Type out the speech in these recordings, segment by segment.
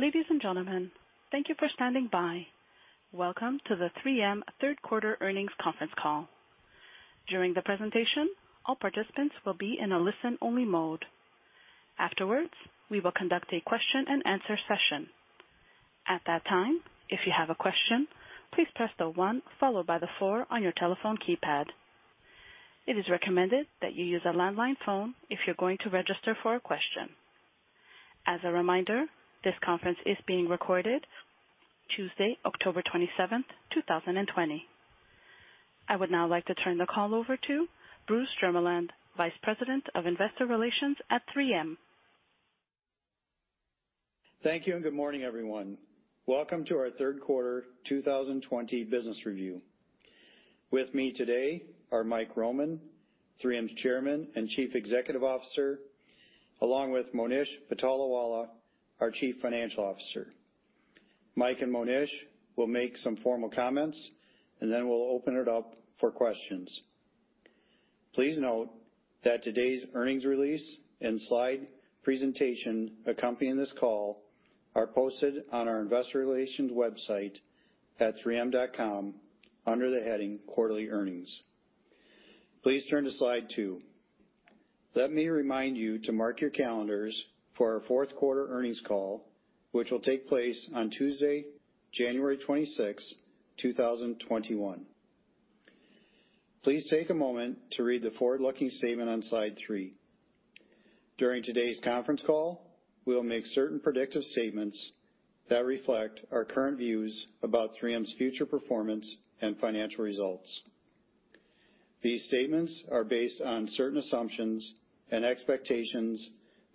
Ladies and gentlemen, thank you for standing by. Welcome to the 3M third quarter earnings conference call. During the presentation, all participants will be in a listen-only mode. Afterwards, we will conduct a question-and-answer session. At that time, if you have a question, please press the one followed by the four on your telephone keypad. It is recommended that you use a landline phone if you're going to register for a question. As a reminder, this conference is being recorded Tuesday, October 27th, 2020. I would now like to turn the call over to Bruce Jermeland, Vice President of Investor Relations at 3M. Thank you. Good morning, everyone. Welcome to our third quarter 2020 business review. With me today are Mike Roman, 3M's Chairman and Chief Executive Officer, along with Monish Patolawala, our Chief Financial Officer. Mike and Monish will make some formal comments, and then we'll open it up for questions. Please note that today's earnings release and slide presentation accompanying this call are posted on our investor relations website at 3m.com under the heading Quarterly Earnings. Please turn to slide two. Let me remind you to mark your calendars for our fourth quarter earnings call, which will take place on Tuesday, January 26th, 2021. Please take a moment to read the forward-looking statement on slide three. During today's conference call, we'll make certain predictive statements that reflect our current views about 3M's future performance and financial results. These statements are based on certain assumptions and expectations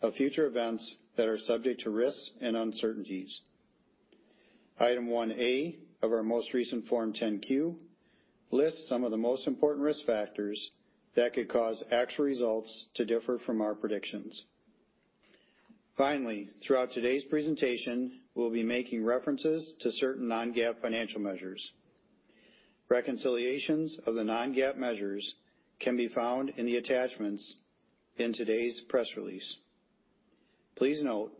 of future events that are subject to risks and uncertainties. Item 1A of our most recent Form 10-Q lists some of the most important risk factors that could cause actual results to differ from our predictions. Finally, throughout today's presentation, we'll be making references to certain non-GAAP financial measures. Reconciliations of the non-GAAP measures can be found in the attachments in today's press release. Please note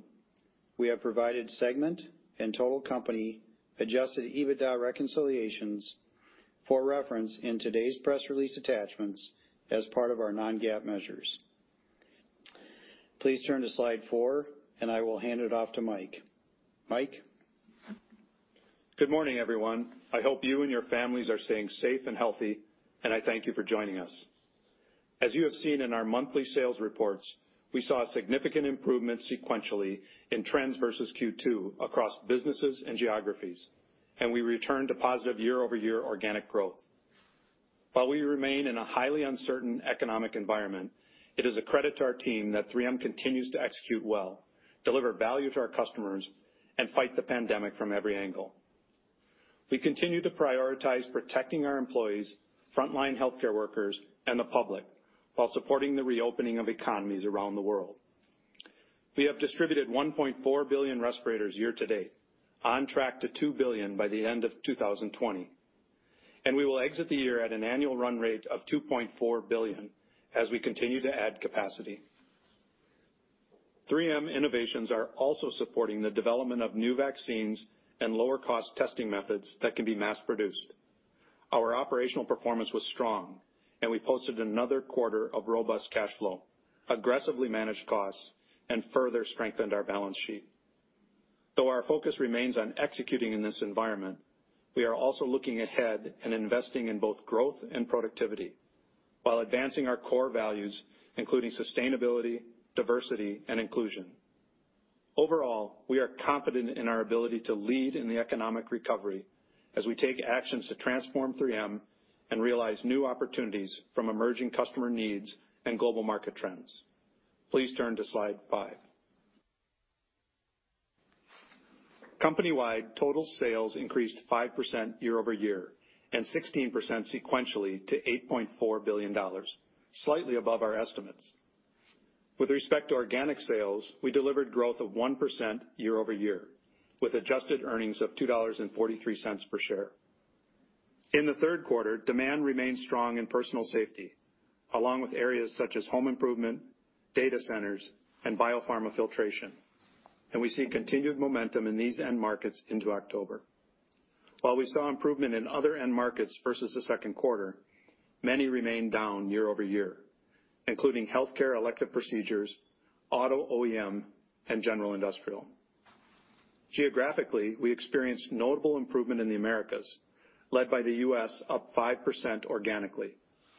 we have provided segment and total company adjusted EBITDA reconciliations for reference in today's press release attachments as part of our non-GAAP measures. Please turn to slide four, and I will hand it off to Mike. Mike? Good morning, everyone. I hope you and your families are staying safe and healthy, and I thank you for joining us. As you have seen in our monthly sales reports, we saw a significant improvement sequentially in trends versus Q2 across businesses and geographies, and we returned to positive year-over-year organic growth. While we remain in a highly uncertain economic environment, it is a credit to our team that 3M continues to execute well, deliver value to our customers, and fight the pandemic from every angle. We continue to prioritize protecting our employees, frontline healthcare workers, and the public while supporting the reopening of economies around the world. We have distributed 1.4 billion respirators year-to-date, on track to 2 billion by the end of 2020, and we will exit the year at an annual run rate of 2.4 billion as we continue to add capacity. 3M innovations are also supporting the development of new vaccines and lower-cost testing methods that can be mass-produced. Our operational performance was strong, and we posted another quarter of robust cash flow, aggressively managed costs, and further strengthened our balance sheet. Though our focus remains on executing in this environment, we are also looking ahead and investing in both growth and productivity while advancing our core values, including sustainability, diversity, and inclusion. Overall, we are confident in our ability to lead in the economic recovery as we take actions to transform 3M and realize new opportunities from emerging customer needs and global market trends. Please turn to slide five. Company-wide total sales increased 5% year-over-year and 16% sequentially to $8.4 billion, slightly above our estimates. With respect to organic sales, we delivered growth of 1% year-over-year, with adjusted earnings of $2.43 per share. In the third quarter, demand remained strong in personal safety, along with areas such as home improvement, data centers, and biopharma filtration. We see continued momentum in these end markets into October. While we saw improvement in other end markets versus the second quarter, many remained down year-over-year, including Health Care elective procedures, auto OEM, and general industrial. Geographically, we experienced notable improvement in the Americas, led by the U.S. up 5% organically,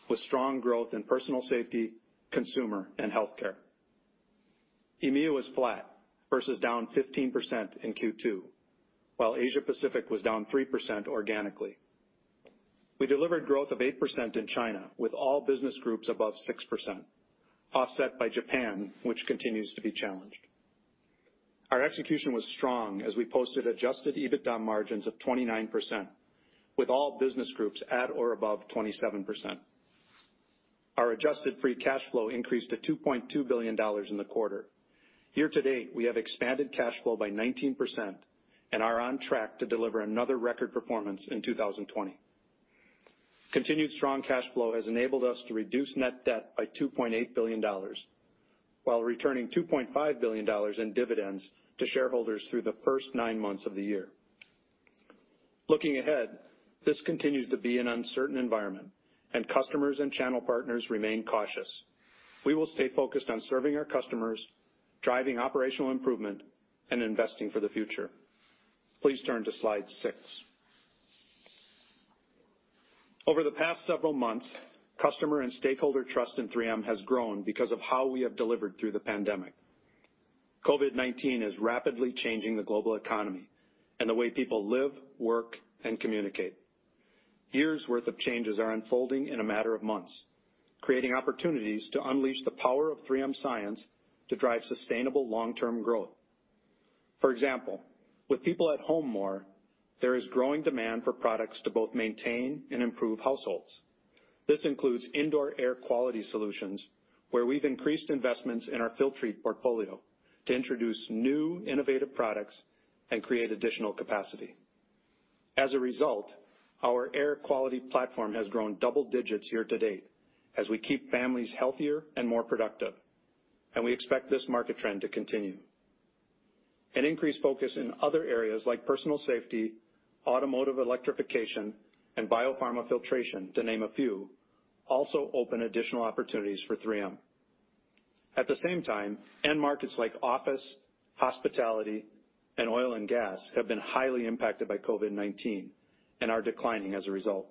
with strong growth in personal safety, consumer, and healthcare. EMEA was flat versus down 15% in Q2, while Asia Pacific was down 3% organically. We delivered growth of 8% in China, with all business groups above 6%, offset by Japan, which continues to be challenged. Our execution was strong as we posted adjusted EBITDA margins of 29%, with all business groups at or above 27%. Our adjusted free cash flow increased to $2.2 billion in the quarter. Year to date, we have expanded cash flow by 19% and are on track to deliver another record performance in 2020. Continued strong cash flow has enabled us to reduce net debt by $2.8 billion, while returning $2.5 billion in dividends to shareholders through the first nine months of the year. Looking ahead, this continues to be an uncertain environment, and customers and channel partners remain cautious. We will stay focused on serving our customers, driving operational improvement, and investing for the future. Please turn to slide six. Over the past several months, customer and stakeholder trust in 3M has grown because of how we have delivered through the pandemic. COVID-19 is rapidly changing the global economy and the way people live, work, and communicate. Years' worth of changes are unfolding in a matter of months, creating opportunities to unleash the power of 3M science to drive sustainable long-term growth. For example, with people at home more, there is growing demand for products to both maintain and improve households. This includes indoor air quality solutions, where we've increased investments in our Filtrete portfolio to introduce new innovative products and create additional capacity. As a result, our air quality platform has grown double digits year-to-date as we keep families healthier and more productive, and we expect this market trend to continue. An increased focus in other areas like personal safety, automotive electrification, and biopharma filtration, to name a few, also open additional opportunities for 3M. At the same time, end markets like office, hospitality, and oil and gas have been highly impacted by COVID-19 and are declining as a result.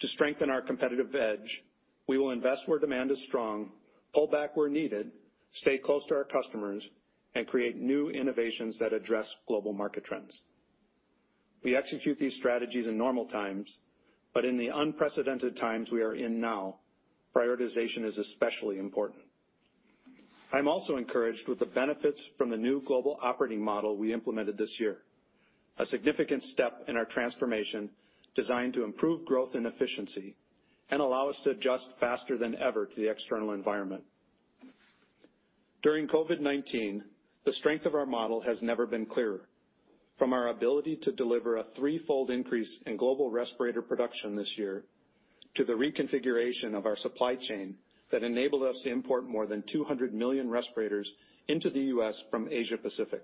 To strengthen our competitive edge, we will invest where demand is strong, pull back where needed, stay close to our customers, and create new innovations that address global market trends. We execute these strategies in normal times, in the unprecedented times we are in now, prioritization is especially important. I'm also encouraged with the benefits from the new global operating model we implemented this year, a significant step in our transformation designed to improve growth and efficiency and allow us to adjust faster than ever to the external environment. During COVID-19, the strength of our model has never been clearer. From our ability to deliver a threefold increase in global respirator production this year, to the reconfiguration of our supply chain that enabled us to import more than 200 million respirators into the U.S. from Asia Pacific.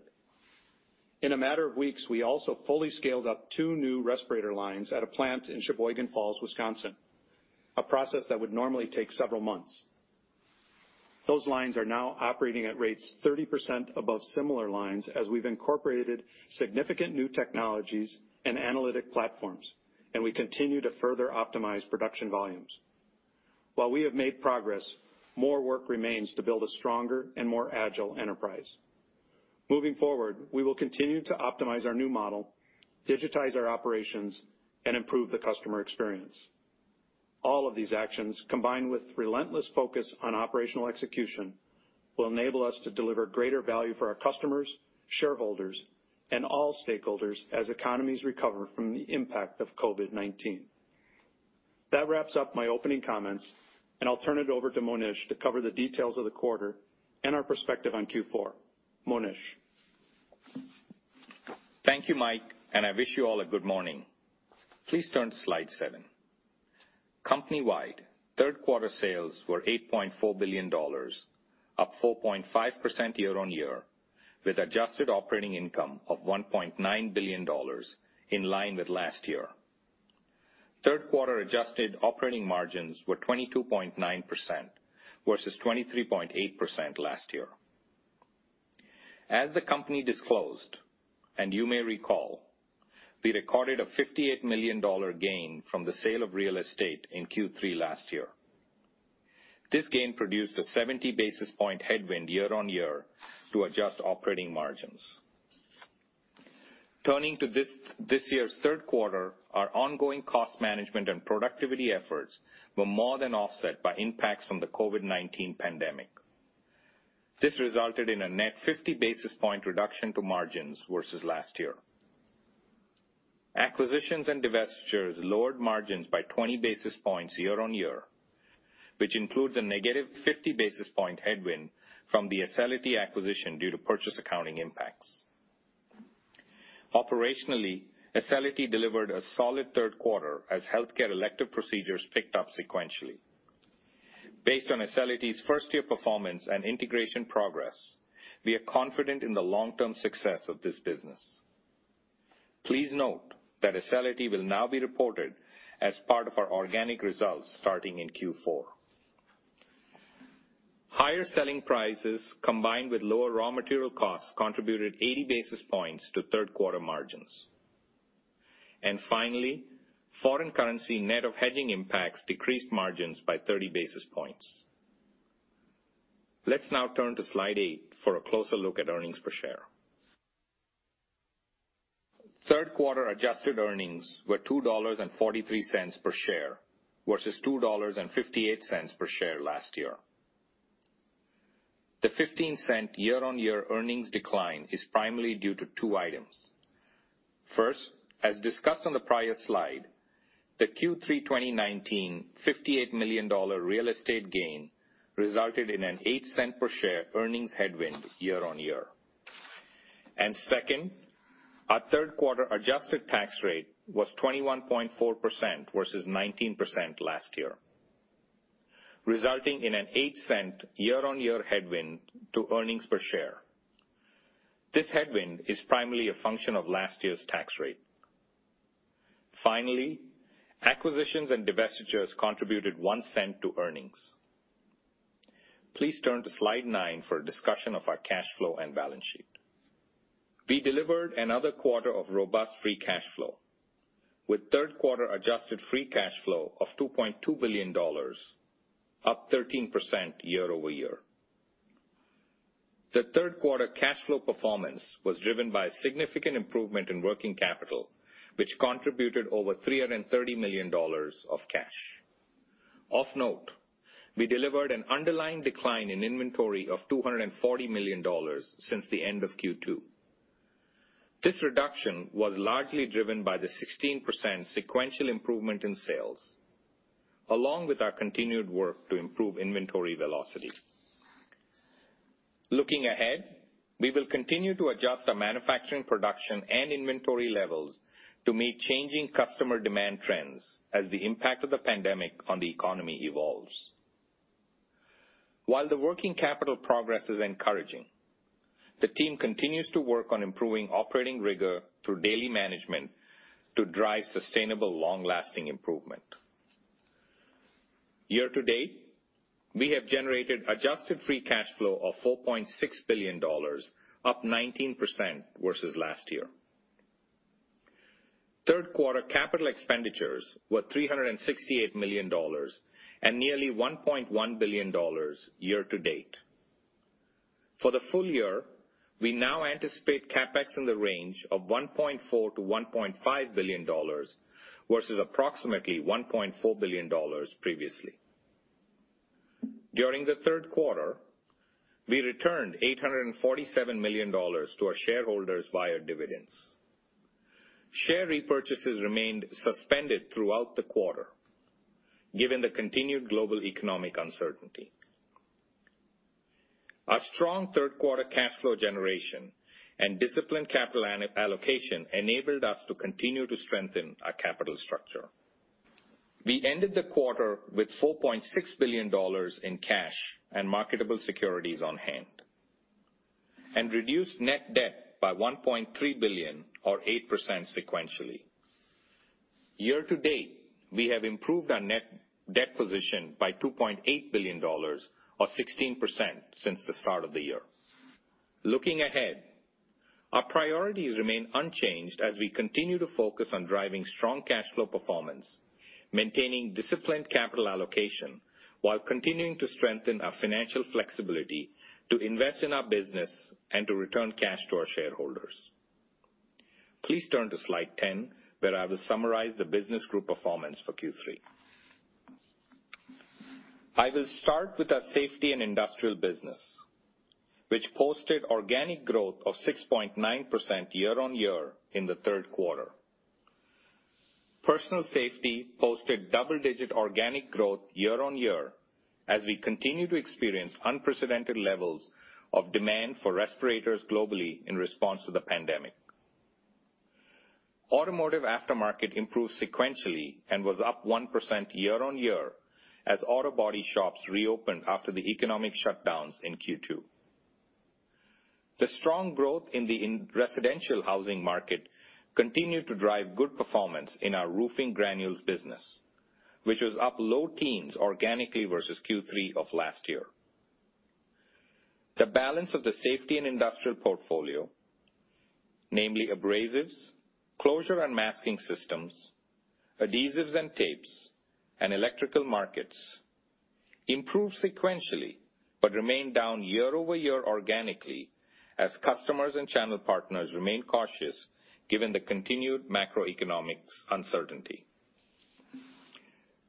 In a matter of weeks, we also fully scaled up two new respirator lines at a plant in Sheboygan Falls, Wisconsin, a process that would normally take several months. Those lines are now operating at rates 30% above similar lines as we've incorporated significant new technologies and analytic platforms. We continue to further optimize production volumes. While we have made progress, more work remains to build a stronger and more agile enterprise. Moving forward, we will continue to optimize our new model, digitize our operations, and improve the customer experience. All of these actions, combined with relentless focus on operational execution, will enable us to deliver greater value for our customers, shareholders, and all stakeholders as economies recover from the impact of COVID-19. That wraps up my opening comments. I'll turn it over to Monish to cover the details of the quarter and our perspective on Q4. Monish. Thank you, Mike, and I wish you all a good morning. Please turn to slide seven. Companywide, third quarter sales were $8.4 billion, up 4.5% year-on-year, with adjusted operating income of $1.9 billion in line with last year. Third quarter adjusted operating margins were 22.9% versus 23.8% last year. As the company disclosed, and you may recall, we recorded a $58 million gain from the sale of real estate in Q3 last year. This gain produced a 70 basis point headwind year-on-year to adjusted operating margins. Turning to this year's third quarter, our ongoing cost management and productivity efforts were more than offset by impacts from the COVID-19 pandemic. This resulted in a net 50 basis point reduction to margins versus last year. Acquisitions and divestitures lowered margins by 20 basis points year-on-year, which includes a -50 basis point headwind from the Acelity acquisition due to purchase accounting impacts. Operationally, Acelity delivered a solid third quarter as healthcare elective procedures picked up sequentially. Based on Acelity's first-year performance and integration progress, we are confident in the long-term success of this business. Please note that Acelity will now be reported as part of our organic results starting in Q4. Higher selling prices, combined with lower raw material costs, contributed 80 basis points to third quarter margins. Finally, foreign currency net of hedging impacts decreased margins by 30 basis points. Let's now turn to slide eight for a closer look at earnings per share. Third quarter adjusted earnings were $2.43 per share versus $2.58 per share last year. The $0.15 year-over-year earnings decline is primarily due to two items. First, as discussed on the prior slide, the Q3 2019 $58 million real estate gain resulted in an $0.08 per share earnings headwind year-on-year. Second, our third quarter adjusted tax rate was 21.4% versus 19% last year, resulting in an $0.08 year-on-year headwind to earnings per share. This headwind is primarily a function of last year's tax rate. Acquisitions and divestitures contributed $0.01 to earnings. Please turn to Slide nine for a discussion of our cash flow and balance sheet. We delivered another quarter of robust free cash flow with third-quarter adjusted free cash flow of $2.2 billion, up 13% year-over-year. The third quarter cash flow performance was driven by a significant improvement in working capital, which contributed over $330 million of cash. Of note, we delivered an underlying decline in inventory of $240 million since the end of Q2. This reduction was largely driven by the 16% sequential improvement in sales, along with our continued work to improve inventory velocity. Looking ahead, we will continue to adjust our manufacturing production and inventory levels to meet changing customer demand trends as the impact of the pandemic on the economy evolves. While the working capital progress is encouraging, the team continues to work on improving operating rigor through daily management to drive sustainable, long-lasting improvement. Year to date, we have generated adjusted free cash flow of $4.6 billion, up 19% versus last year. Third quarter capital expenditures were $368 million and nearly $1.1 billion year to date. For the full year, we now anticipate CapEx in the range of $1.4 billion-$1.5 billion versus approximately $1.4 billion previously. During the third quarter, we returned $847 million to our shareholders via dividends. Share repurchases remained suspended throughout the quarter given the continued global economic uncertainty. Our strong third quarter cash flow generation and disciplined capital allocation enabled us to continue to strengthen our capital structure. We ended the quarter with $4.6 billion in cash and marketable securities on hand and reduced net debt by $1.3 billion or 8% sequentially. Year to date, we have improved our net debt position by $2.8 billion or 16% since the start of the year. Looking ahead, our priorities remain unchanged as we continue to focus on driving strong cash flow performance, maintaining disciplined capital allocation while continuing to strengthen our financial flexibility to invest in our business and to return cash to our shareholders. Please turn to Slide 10, where I will summarize the business group performance for Q3. I will start with our Safety & Industrial Business, which posted organic growth of 6.9% year-on-year in the third quarter. Personal Safety posted double-digit organic growth year-on-year as we continue to experience unprecedented levels of demand for respirators globally in response to the pandemic. Automotive Aftermarket improved sequentially and was up 1% year-on-year as auto body shops reopened after the economic shutdowns in Q2. The strong growth in the residential housing market continued to drive good performance in our roofing granules business, which was up low teens organically versus Q3 of last year. The balance of the Safety & Industrial portfolio, namely Abrasives, Closure and Masking Systems, Adhesives and Tapes, and Electrical Markets, improved sequentially but remained down year-over-year organically as customers and channel partners remained cautious given the continued macroeconomic uncertainty.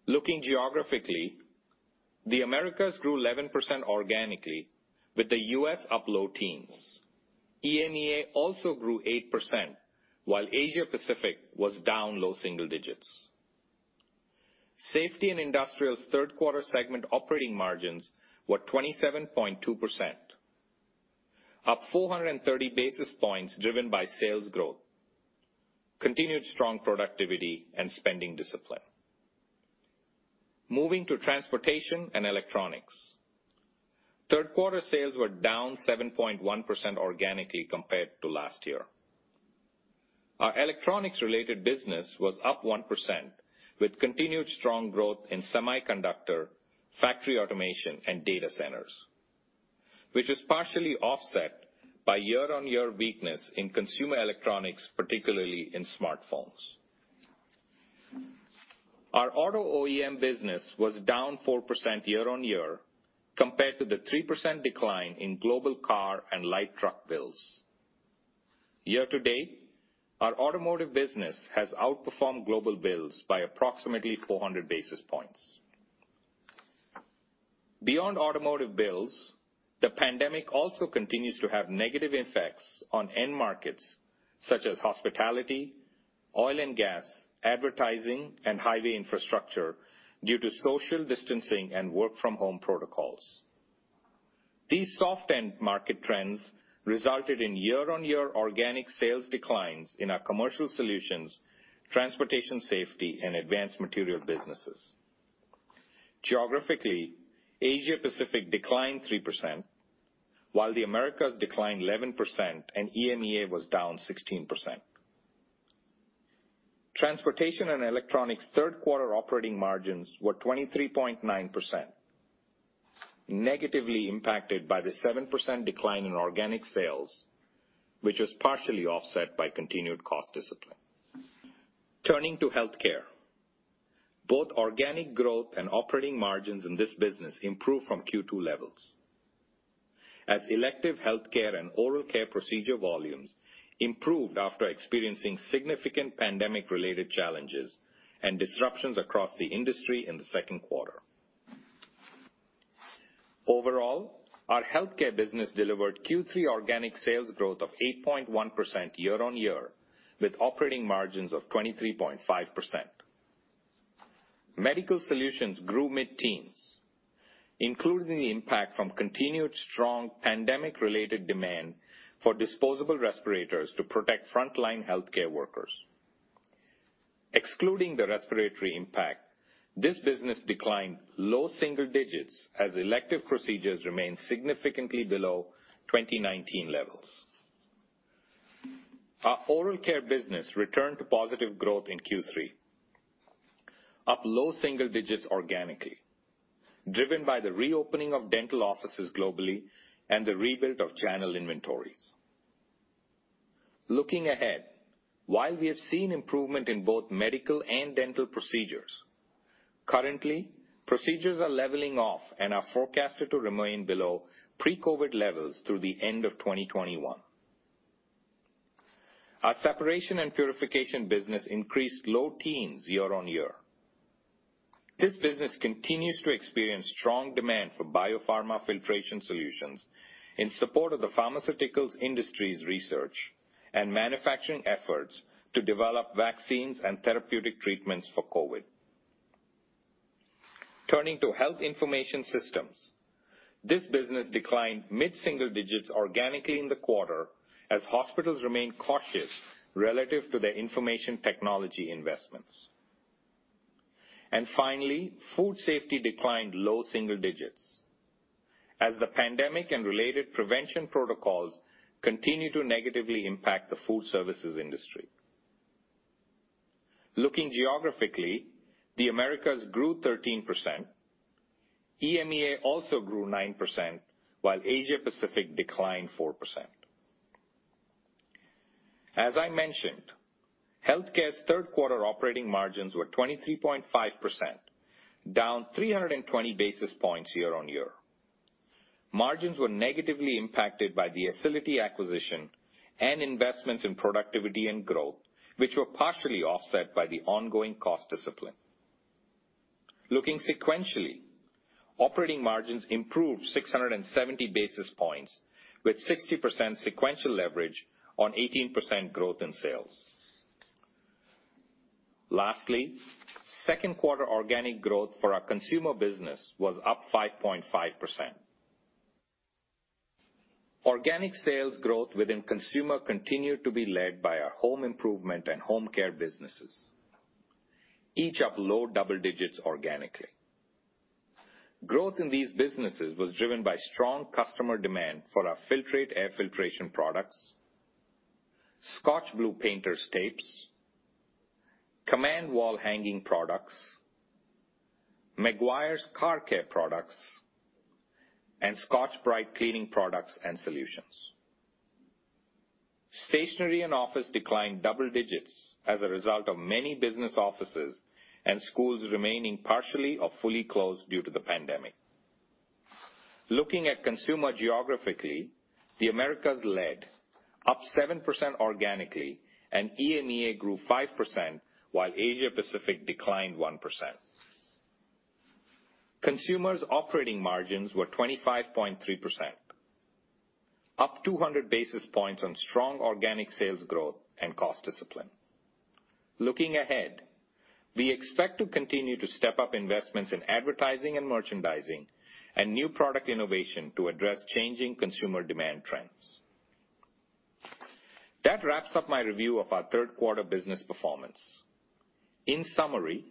Looking geographically, the Americas grew 11% organically with the U.S. up low teens. EMEA also grew 8%, while Asia-Pacific was down low single digits. Safety and Industrial's third quarter segment operating margins were 27.2%, up 430 basis points driven by sales growth, continued strong productivity, and spending discipline. Moving to Transportation and Electronics. Third quarter sales were down 7.1% organically compared to last year. Our Electronics-related business was up 1% with continued strong growth in semiconductor, factory automation, and data centers, which was partially offset by year-on-year weakness in consumer electronics, particularly in smartphones. Our auto OEM business was down 4% year-on-year compared to the 3% decline in global car and light truck builds. Year to date, our automotive business has outperformed global builds by approximately 400 basis points. Beyond automotive builds, the pandemic also continues to have negative effects on end markets such as hospitality, oil and gas, advertising, and highway infrastructure due to social distancing and work from home protocols. These soft end market trends resulted in year-on-year organic sales declines in our Commercial Solutions, Transportation Safety and Advanced Material businesses. Geographically, Asia Pacific declined 3%, while the Americas declined 11% and EMEA was down 16%. Transportation and Electronics third quarter operating margins were 23.9%, negatively impacted by the 7% decline in organic sales, which was partially offset by continued cost discipline. Turning to Healthcare, both organic growth and operating margins in this business improved from Q2 levels. As elective Healthcare and oral care procedure volumes improved after experiencing significant pandemic-related challenges and disruptions across the industry in the second quarter. Overall, our Healthcare business delivered Q3 organic sales growth of 8.1% year-on-year, with operating margins of 23.5%. Medical solutions grew mid-teens, including the impact from continued strong pandemic-related demand for disposable respirators to protect frontline healthcare workers. Excluding the respiratory impact, this business declined low single digits as elective procedures remained significantly below 2019 levels. Our oral care business returned to positive growth in Q3. Up low single digits organically, driven by the reopening of dental offices globally and the rebuild of channel inventories. Looking ahead, while we have seen improvement in both medical and dental procedures, currently, procedures are leveling off and are forecasted to remain below pre-COVID levels through the end of 2021. Our separation and purification business increased low teens year-on-year. This business continues to experience strong demand for biopharma filtration solutions in support of the pharmaceuticals industry's research and manufacturing efforts to develop vaccines and therapeutic treatments for COVID. Turning to health information systems, this business declined mid-single digits organically in the quarter as hospitals remained cautious relative to their information technology investments. Finally, food safety declined low single digits. As the pandemic and related prevention protocols continue to negatively impact the food services industry. Looking geographically, the Americas grew 13%, EMEA also grew 9%, while Asia Pacific declined 4%. As I mentioned, healthcare's third quarter operating margins were 23.5%, down 320 basis points year-on-year. Margins were negatively impacted by the Acelity acquisition and investments in productivity and growth, which were partially offset by the ongoing cost discipline. Looking sequentially, operating margins improved 670 basis points with 60% sequential leverage on 18% growth in sales. Lastly, second quarter organic growth for our consumer business was up 5.5%. Organic sales growth within consumer continued to be led by our home improvement and home care businesses, each up low double digits organically. Growth in these businesses was driven by strong customer demand for our Filtrete air filtration products, ScotchBlue painter's tapes, Command wall hanging products, Meguiar's car care products, and Scotch-Brite cleaning products and solutions. Stationery and office declined double digits as a result of many business offices and schools remaining partially or fully closed due to the pandemic. Looking at consumer geographically, the Americas led, up 7% organically, and EMEA grew 5%, while Asia Pacific declined 1%. Consumer's operating margins were 25.3%, up 200 basis points on strong organic sales growth and cost discipline. Looking ahead, we expect to continue to step up investments in advertising and merchandising and new product innovation to address changing consumer demand trends. That wraps up my review of our third quarter business performance. In summary,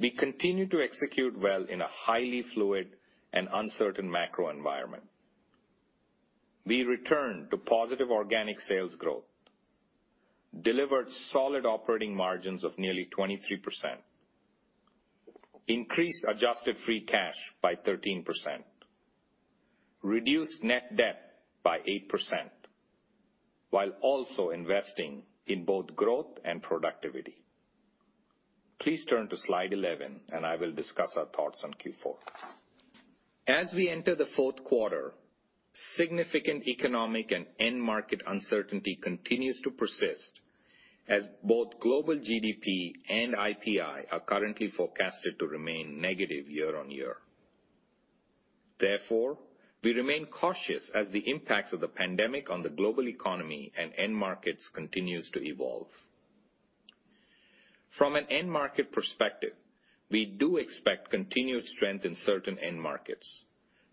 we continue to execute well in a highly fluid and uncertain macro environment. We returned to positive organic sales growth, delivered solid operating margins of nearly 23%, increased adjusted free cash by 13%, reduced net debt by 8%, while also investing in both growth and productivity. Please turn to slide 11 and I will discuss our thoughts on Q4. As we enter the fourth quarter, significant economic and end market uncertainty continues to persist as both global GDP and IPI are currently forecasted to remain negative year-on-year. Therefore, we remain cautious as the impacts of the pandemic on the global economy and end markets continues to evolve. From an end market perspective, we do expect continued strength in certain end markets,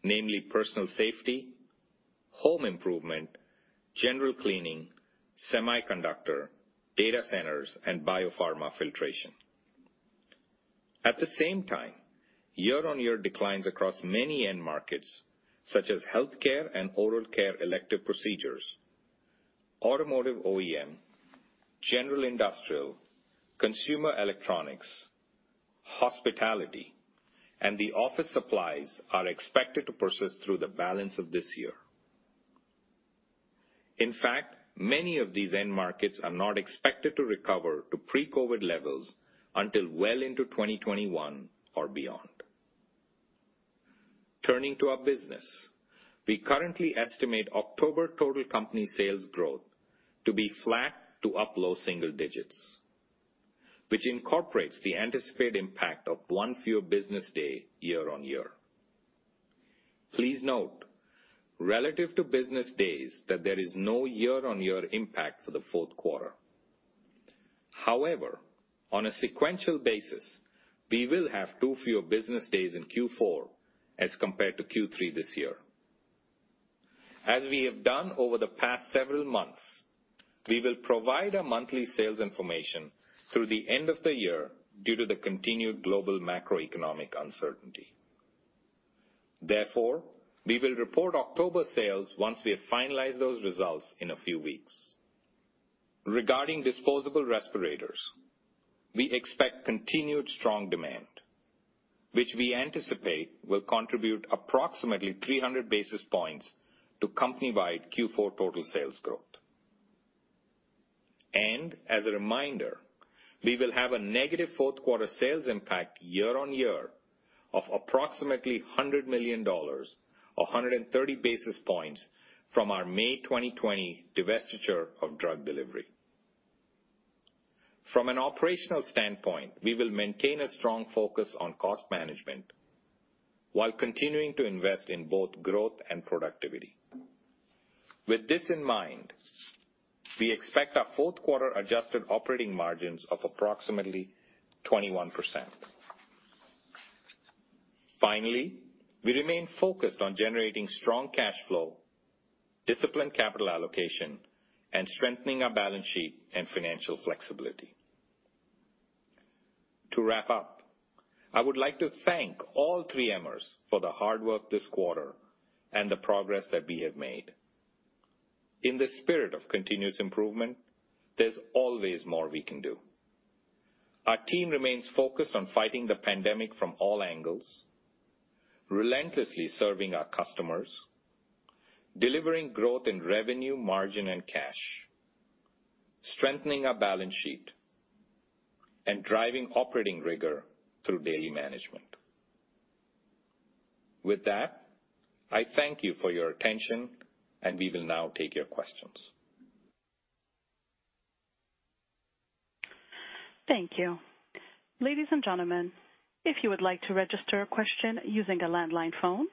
namely personal safety, home improvement, general cleaning, semiconductor, data centers, and biopharma filtration. At the same time, year-on-year declines across many end markets, such as healthcare and oral care elective procedures, automotive OEM, general industrial, consumer electronics, hospitality, and the office supplies are expected to persist through the balance of this year. In fact, many of these end markets are not expected to recover to pre-COVID levels until well into 2021 or beyond. Turning to our business, we currently estimate October total company sales growth to be flat to up low single digits, which incorporates the anticipated impact of one fewer business day year-on-year. Please note, relative to business days, that there is no year-on-year impact for the fourth quarter. However, on a sequential basis, we will have two fewer business days in Q4 as compared to Q3 this year. As we have done over the past several months, we will provide our monthly sales information through the end of the year due to the continued global macroeconomic uncertainty. We will report October sales once we have finalized those results in a few weeks. Regarding disposable respirators, we expect continued strong demand, which we anticipate will contribute approximately 300 basis points to company-wide Q4 total sales growth. As a reminder, we will have a negative fourth quarter sales impact year-on-year of approximately $100 million or 130 basis points from our May 2020 divestiture of Drug Delivery. From an operational standpoint, we will maintain a strong focus on cost management while continuing to invest in both growth and productivity. With this in mind, we expect our fourth quarter adjusted operating margins of approximately 21%. Finally, we remain focused on generating strong cash flow, disciplined capital allocation, and strengthening our balance sheet and financial flexibility. To wrap up, I would like to thank all 3Mers for the hard work this quarter and the progress that we have made. In the spirit of continuous improvement, there's always more we can do. Our team remains focused on fighting the pandemic from all angles, relentlessly serving our customers, delivering growth in revenue, margin, and cash, strengthening our balance sheet, and driving operating rigor through daily management. With that, I thank you for your attention, and we will now take your questions. Thank you. Ladies and gentlemen, If you would like to register question using a landline phone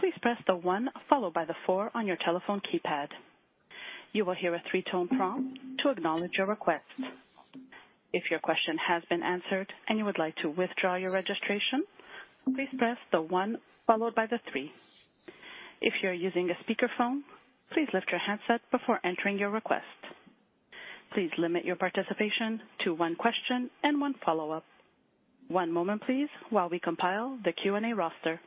please press one followed by four on your telephone keypad. You will hear three tone prompt to acknowledge your request. If your question has been answered and would like to withdraw your registration please press one followed by three. If you are using a speaker phone please lift your handset before entering your request. Please limit your participation to one question and one follow up. One moment please while we compile the Q&A roster.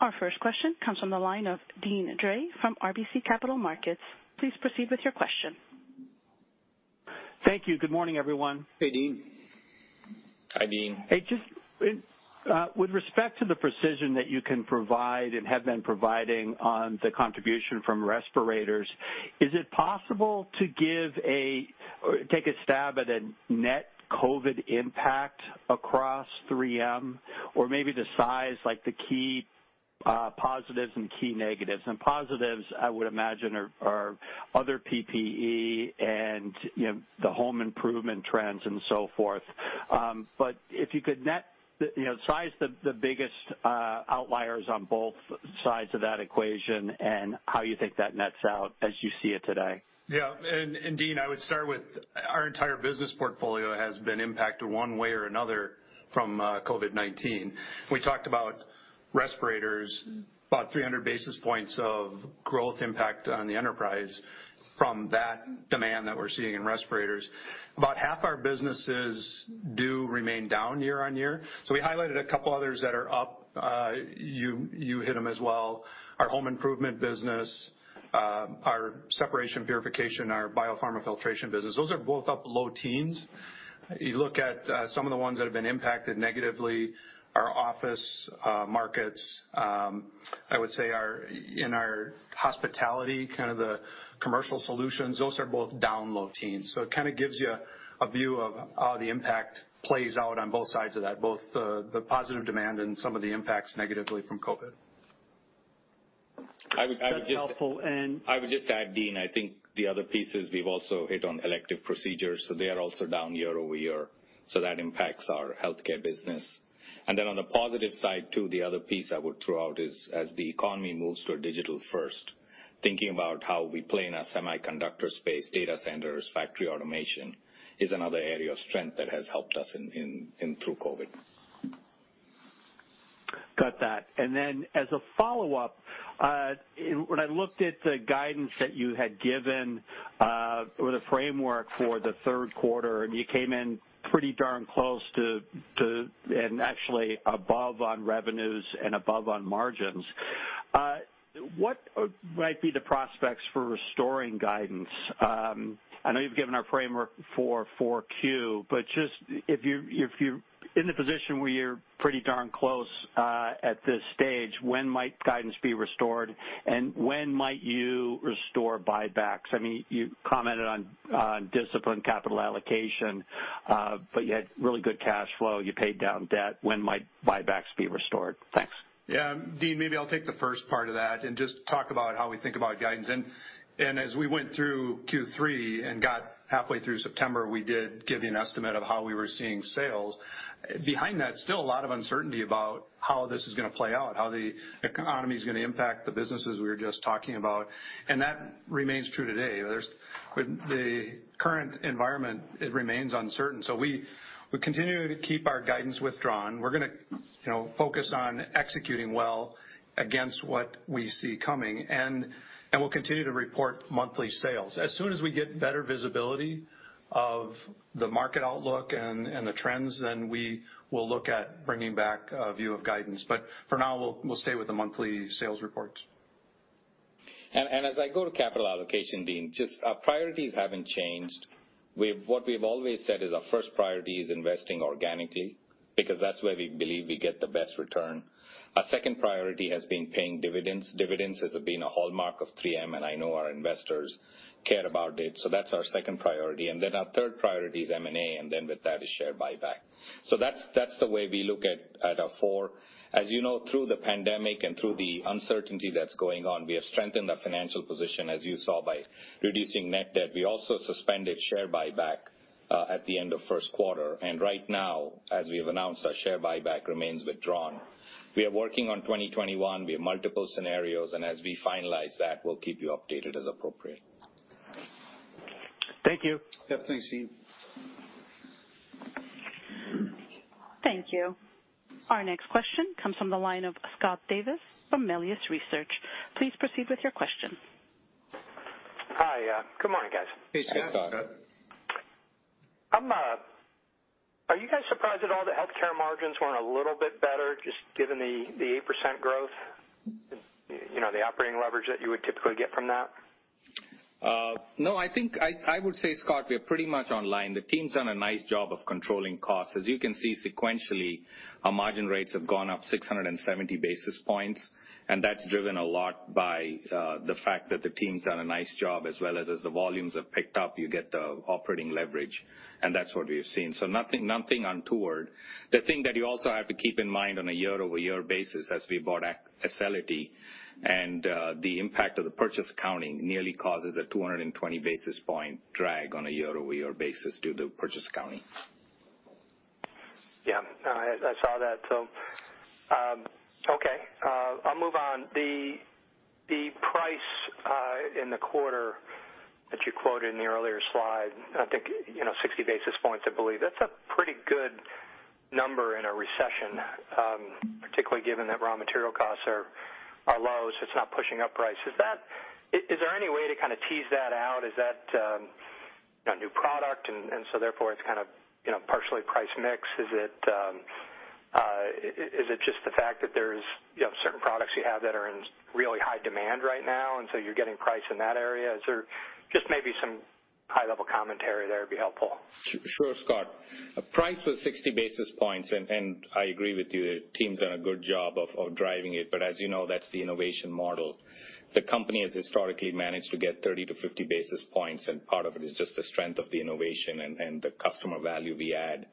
Our first question comes from the line of Deane Dray from RBC Capital Markets. Please proceed with your question. Thank you. Good morning, everyone. Hey, Deane. Hi, Deane. Hey, just with respect to the precision that you can provide and have been providing on the contribution from respirators, is it possible to take a stab at a net COVID impact across 3M? Or maybe the size, like the key positives and key negatives. Positives, I would imagine, are other PPE and the home improvement trends and so forth. If you could size the biggest outliers on both sides of that equation and how you think that nets out as you see it today. Yeah. Deane, I would start with our entire business portfolio has been impacted one way or another from COVID-19. We talked about respirators, about 300 basis points of growth impact on the enterprise from that demand that we're seeing in respirators. About half our businesses do remain down year-on-year. We highlighted a couple others that are up. You hit them as well. Our home improvement business, our Separation and Purification, our biopharma filtration business, those are both up low teens. You look at some of the ones that have been impacted negatively, our office markets, I would say in our hospitality, kind of the commercial solutions, those are both down low teens. It kind of gives you a view of how the impact plays out on both sides of that, both the positive demand and some of the impacts negatively from COVID. I would just- That's helpful. I would just add, Deane, I think the other piece is we've also hit on elective procedures, so they are also down year-over-year, so that impacts our Healthcare business. On the positive side too, the other piece I would throw out is as the economy moves to a digital-first, thinking about how we play in a semiconductor space, data centers, factory automation, is another area of strength that has helped us through COVID. Got that. As a follow-up, when I looked at the guidance that you had given, or the framework for the third quarter, you came in pretty darn close to, and actually above on revenues and above on margins. What might be the prospects for restoring guidance? I know you've given our framework for 4Q. If you're in the position where you're pretty darn close at this stage, when might guidance be restored, and when might you restore buybacks? You commented on disciplined capital allocation. You had really good cash flow. You paid down debt. When might buybacks be restored? Thanks. Deane, maybe I'll take the first part of that and just talk about how we think about guidance. As we went through Q3 and got halfway through September, we did give you an estimate of how we were seeing sales. Behind that, still a lot of uncertainty about how this is going to play out, how the economy's going to impact the businesses we were just talking about, and that remains true today. The current environment, it remains uncertain. We continue to keep our guidance withdrawn. We're going to focus on executing well against what we see coming. We'll continue to report monthly sales. Soon as we get better visibility of the market outlook and the trends, we will look at bringing back a view of guidance. For now, we'll stay with the monthly sales reports. As I go to capital allocation, Deane, just our priorities haven't changed. What we've always said is our first priority is investing organically, because that's where we believe we get the best return. Our second priority has been paying dividends. Dividends has been a hallmark of 3M, and I know our investors care about it. That's our second priority. Our third priority is M&A, and then with that is share buyback. That's the way we look at our four. As you know, through the pandemic and through the uncertainty that's going on, we have strengthened our financial position, as you saw, by reducing net debt. We also suspended share buyback at the end of first quarter. Right now, as we have announced, our share buyback remains withdrawn. We are working on 2021. We have multiple scenarios, and as we finalize that, we'll keep you updated as appropriate. Thank you. Yeah. Thanks, Deane. Thank you. Our next question comes from the line of Scott Davis from Melius Research. Please proceed with your question. Hi. Good morning, guys. Hey, Scott. Hey, Scott. Are you guys surprised at all that Healthcare margins weren't a little bit better, just given the 8% growth, the operating leverage that you would typically get from that? I would say, Scott, we are pretty much online. The team's done a nice job of controlling costs. As you can see sequentially, our margin rates have gone up 670 basis points, and that's driven a lot by the fact that the team's done a nice job, as well as the volumes have picked up, you get the operating leverage, and that's what we've seen. Nothing untoward. The thing that you also have to keep in mind on a year-over-year basis, as we bought Acelity and the impact of the purchase accounting nearly causes a 220 basis point drag on a year-over-year basis due to purchase accounting. Yeah. No, I saw that. Okay. I'll move on. The price in the quarter that you quoted in the earlier slide, I think 60 basis points, I believe. That's a pretty good number in a recession, particularly given that raw material costs are low, so it's not pushing up price. Is there any way to kind of tease that out? Is that a new product, and so therefore it's kind of partially price mix? Is it just the fact that there's certain products you have that are in really high demand right now, and so you're getting price in that area? Just maybe some high-level commentary there would be helpful. Sure, Scott. Price was 60 basis points, and I agree with you, the team's done a good job of driving it. As you know, that's the innovation model. The company has historically managed to get 30 to 50 basis points, and part of it is just the strength of the innovation and the customer value we add.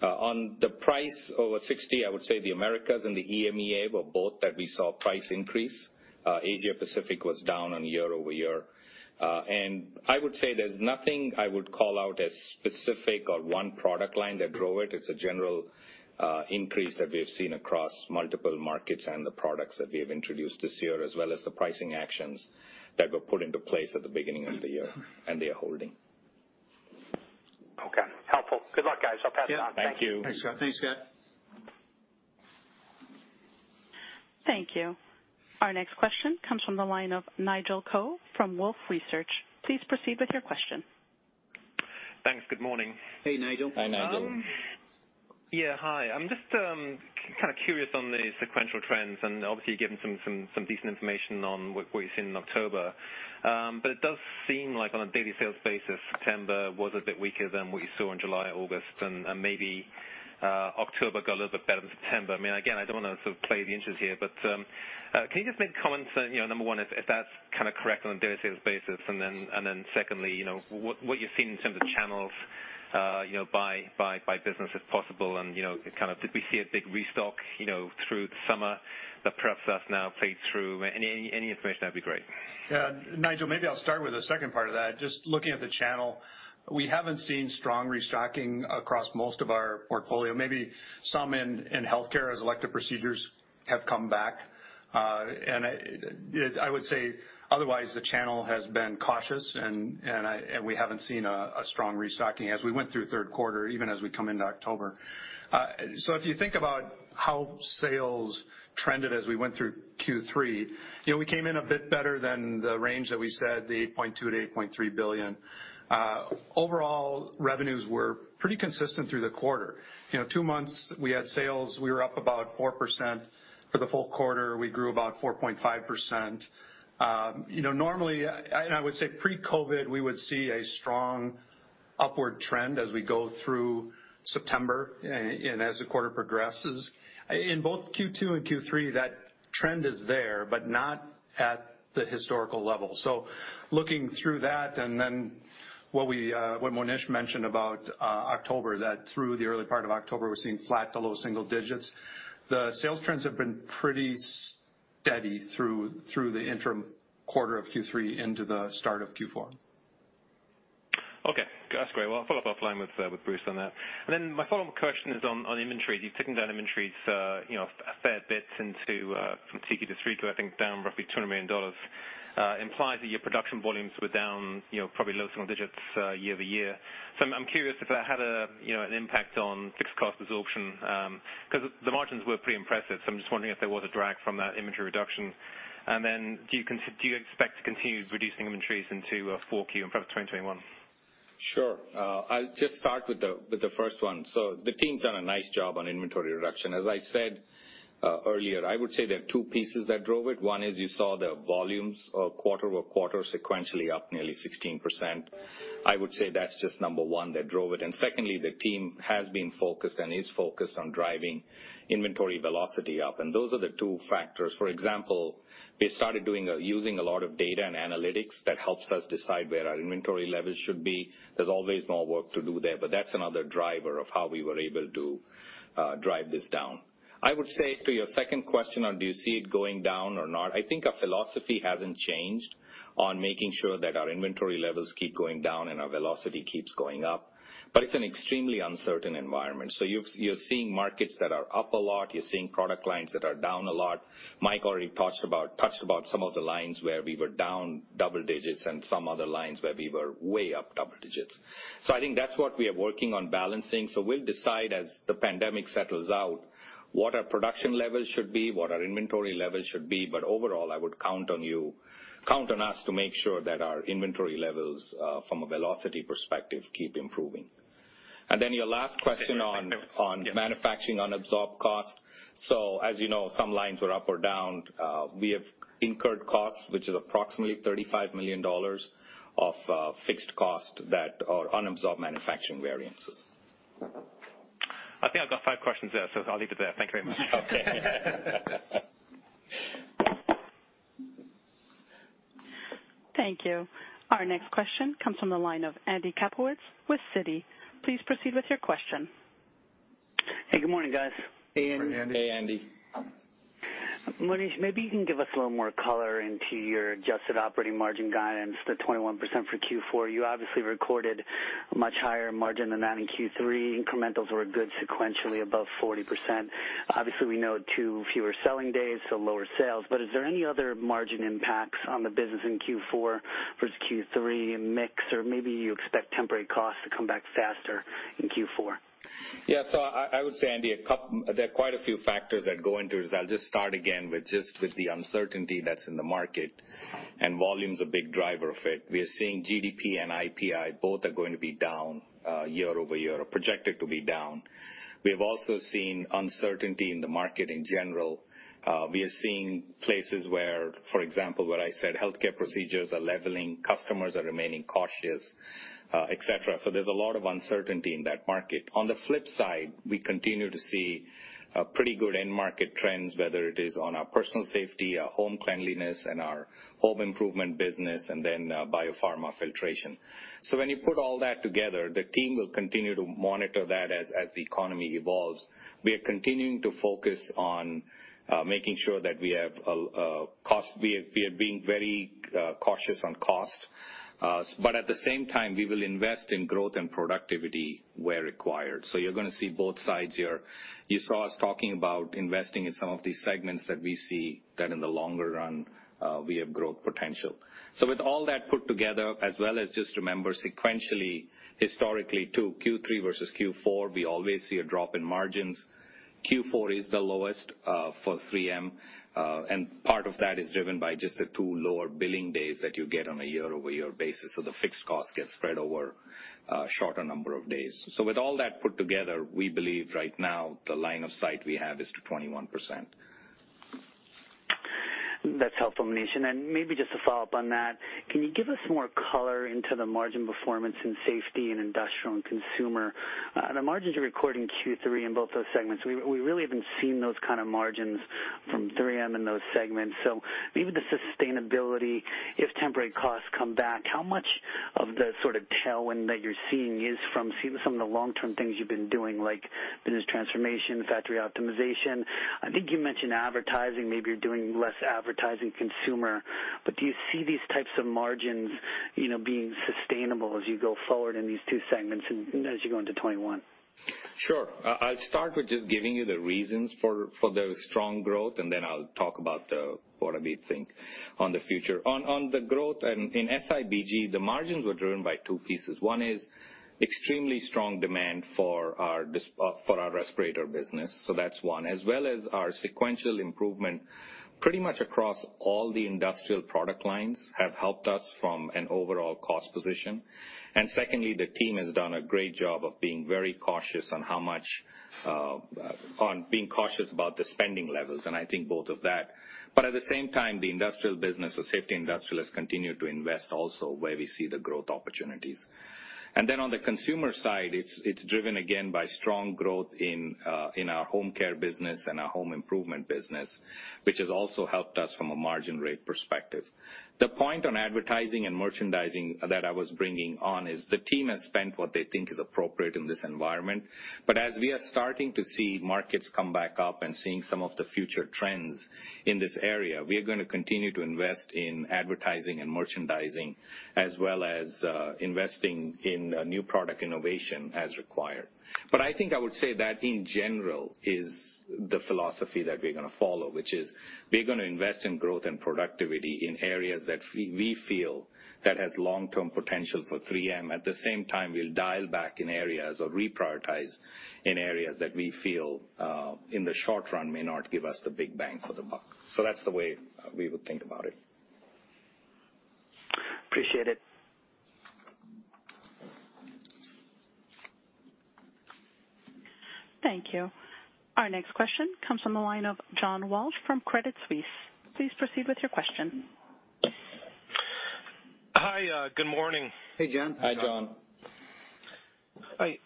On the price over 60, I would say the Americas and the EMEA were both that we saw price increase. Asia Pacific was down on year-over-year. I would say there's nothing I would call out as specific or one product line that drove it. It's a general increase that we have seen across multiple markets and the products that we have introduced this year, as well as the pricing actions that were put into place at the beginning of the year, and they are holding. Okay. Helpful. Good luck, guys. I'll pass it on. Thank you. Thanks, Scott. Thank you. Our next question comes from the line of Nigel Coe from Wolfe Research. Please proceed with your question. Thanks. Good morning. Hey, Nigel. Hi, Nigel. Yeah. Hi. I'm just kind of curious on the sequential trends. Obviously you've given some decent information on what you've seen in October. It does seem like on a daily sales basis, September was a bit weaker than what you saw in July, August, and maybe October got a little bit better than September. Again, I don't want to play the inches here. Can you just make comments on, number one, if that's kind of correct on a daily sales basis? Secondly, what you're seeing in terms of channels by business, if possible. Did we see a big restock through the summer that perhaps that's now played through? Any information, that'd be great. Nigel, maybe I'll start with the second part of that. Just looking at the channel, we haven't seen strong restocking across most of our portfolio. Maybe some in Healthcare as elective procedures have come back. I would say otherwise, the channel has been cautious, and we haven't seen a strong restocking as we went through third quarter, even as we come into October. If you think about how sales trended as we went through Q3, we came in a bit better than the range that we said, the $8.2 billion-$8.3 billion. Overall revenues were pretty consistent through the quarter. Two months, we had sales, we were up about 4%. For the full quarter, we grew about 4.5%. Normally, and I would say pre-COVID, we would see a strong upward trend as we go through September and as the quarter progresses. In both Q2 and Q3, that trend is there, but not at the historical level. Looking through that, and then what Monish mentioned about October, that through the early part of October, we're seeing flat to low single digits. The sales trends have been pretty steady through the interim quarter of Q3 into the start of Q4. Okay. That's great. Well, I'll follow up offline with Bruce on that. My follow-up question is on inventory. You've taken down inventories a fair bit from 2Q to 3Q, I think down roughly $200 million. Implies that your production volumes were down probably low single digits year-over-year. I'm curious if that had an impact on fixed cost absorption, because the margins were pretty impressive. I'm just wondering if there was a drag from that inventory reduction. Do you expect to continue reducing inventories into 4Q and perhaps 2021? Sure. I'll just start with the first one. The team's done a nice job on inventory reduction. As I said earlier, I would say there are two pieces that drove it. One is you saw the volumes quarter-over-quarter sequentially up nearly 16%. I would say that's just number one that drove it. Secondly, the team has been focused and is focused on driving inventory velocity up. Those are the two factors. For example, we started using a lot of data and analytics that helps us decide where our inventory levels should be. There's always more work to do there, but that's another driver of how we were able to drive this down. I would say to your second question on do you see it going down or not, I think our philosophy hasn't changed on making sure that our inventory levels keep going down and our velocity keeps going up. It's an extremely uncertain environment. You're seeing markets that are up a lot. You're seeing product lines that are down a lot. Mike already touched about some of the lines where we were down double digits and some other lines where we were way up double digits. I think that's what we are working on balancing. We'll decide as the pandemic settles out what our production levels should be, what our inventory levels should be. Overall, I would count on us to make sure that our inventory levels, from a velocity perspective, keep improving. Then your last question on manufacturing unabsorbed cost. As you know, some lines were up or down. We have incurred costs, which is approximately $35 million of fixed cost that are unabsorbed manufacturing variances. I think I've got five questions there, so I'll leave it there. Thank you very much. Okay. Thank you. Our next question comes from the line of Andy Kaplowitz with Citi. Please proceed with your question. Hey, good morning, guys. Hey, Andy. Hey, Andy. Monish, maybe you can give us a little more color into your adjusted operating margin guidance, the 21% for Q4. You obviously recorded a much higher margin than that in Q3. Incrementals were good sequentially above 40%. Obviously, we know two fewer selling days, so lower sales. Is there any other margin impacts on the business in Q4 versus Q3 in mix? Or maybe you expect temporary costs to come back faster in Q4? I would say, Andy, there are quite a few factors that go into this. I'll just start again with the uncertainty that's in the market, and volume's a big driver of it. We are seeing GDP and IPI both are going to be down year-over-year, or projected to be down. We have also seen uncertainty in the market in general. We are seeing places where, for example, what I said, healthcare procedures are leveling, customers are remaining cautious, et cetera. There's a lot of uncertainty in that market. On the flip side, we continue to see pretty good end market trends, whether it is on our personal safety, our home cleanliness, and our home improvement business, and then biopharma filtration. When you put all that together, the team will continue to monitor that as the economy evolves. We are continuing to focus on making sure that we are being very cautious on cost. At the same time, we will invest in growth and productivity where required. You're going to see both sides here. You saw us talking about investing in some of these segments that we see that in the longer run, we have growth potential. With all that put together, as well as just remember sequentially, historically too, Q3 versus Q4, we always see a drop in margins. Q4 is the lowest for 3M, and part of that is driven by just the two lower billing days that you get on a year-over-year basis. The fixed cost gets spread over a shorter number of days. With all that put together, we believe right now the line of sight we have is to 21%. That's helpful, Monish. Maybe just to follow up on that, can you give us more color into the margin performance in Safety & Industrial and Consumer? The margins you record in Q3 in both those segments, we really haven't seen those kind of margins from 3M in those segments. Maybe the sustainability, if temporary costs come back, how much of the sort of tailwind that you're seeing is from some of the long-term things you've been doing, like Business Transformation, Factory Optimization? I think you mentioned advertising, maybe you're doing less advertising Consumer, but do you see these types of margins being sustainable as you go forward in these two segments and as you go into 2021? Sure. I'll start with just giving you the reasons for the strong growth, and then I'll talk about what we think on the future. On the growth and in SIBG, the margins were driven by two pieces. One is extremely strong demand for our respirator business, that's one. As well as our sequential improvement pretty much across all the industrial product lines have helped us from an overall cost position. Secondly, the team has done a great job of being very cautious about the spending levels, and I think both of that. At the same time, the industrial business or Safety Industrial has continued to invest also where we see the growth opportunities. On the consumer side, it's driven, again, by strong growth in our home care business and our home improvement business, which has also helped us from a margin rate perspective. The point on advertising and merchandising that I was bringing on is the team has spent what they think is appropriate in this environment. As we are starting to see markets come back up and seeing some of the future trends in this area, we are going to continue to invest in advertising and merchandising, as well as investing in new product innovation as required. I think I would say that, in general, is the philosophy that we're going to follow, which is we're going to invest in growth and productivity in areas that we feel that has long-term potential for 3M. At the same time, we'll dial back in areas or reprioritize in areas that we feel in the short run may not give us the big bang for the buck. That's the way we would think about it. Appreciate it. Thank you. Our next question comes from the line of John Walsh from Credit Suisse. Please proceed with your question. Hi. Good morning. Hey, John. Hi, John. Hi.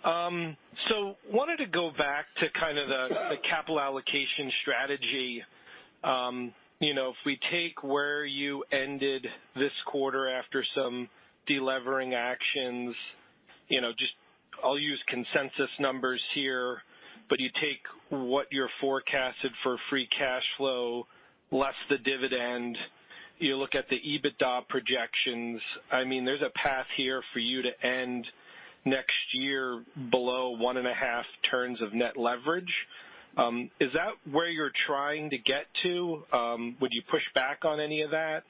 Wanted to go back to kind of the capital allocation strategy. If we take where you ended this quarter after some de-levering actions, I'll use consensus numbers here, but you take what you're forecasted for free cash flow, less the dividend. You look at the EBITDA projections. There's a path here for you to end next year below 1.5 turns of net leverage. Is that where you're trying to get to? Would you push back on any of that?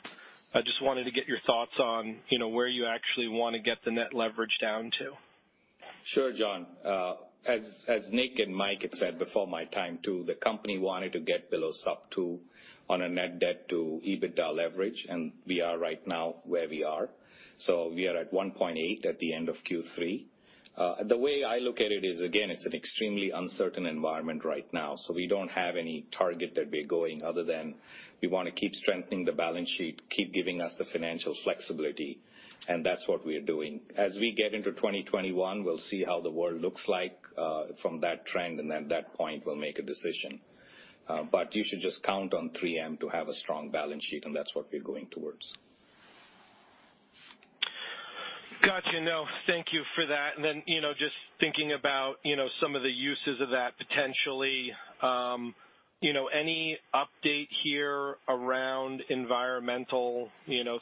I just wanted to get your thoughts on where you actually want to get the net leverage down to. Sure, John. As Nick and Mike had said before my time, too, the company wanted to get below sub 2 on a net debt to EBITDA leverage. We are right now where we are. We are at 1.8 at the end of Q3. The way I look at it is, again, it's an extremely uncertain environment right now. We don't have any target that we're going other than we want to keep strengthening the balance sheet, keep giving us the financial flexibility. That's what we are doing. As we get into 2021, we'll see how the world looks like from that trend. At that point, we'll make a decision. You should just count on 3M to have a strong balance sheet. That's what we're going towards. Got you. No, thank you for that. Just thinking about some of the uses of that potentially, any update here around environmental,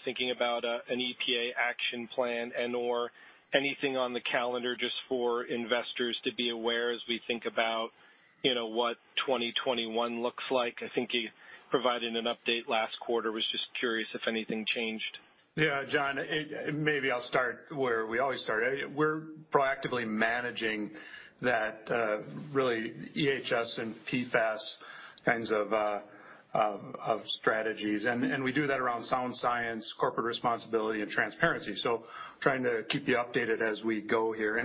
thinking about an EPA action plan and/or anything on the calendar just for investors to be aware as we think about what 2021 looks like? I think you provided an update last quarter. Was just curious if anything changed. Yeah, John, maybe I'll start where we always start. We're proactively managing that really EHS and PFAS kinds of strategies, and we do that around sound science, corporate responsibility, and transparency. Trying to keep you updated as we go here.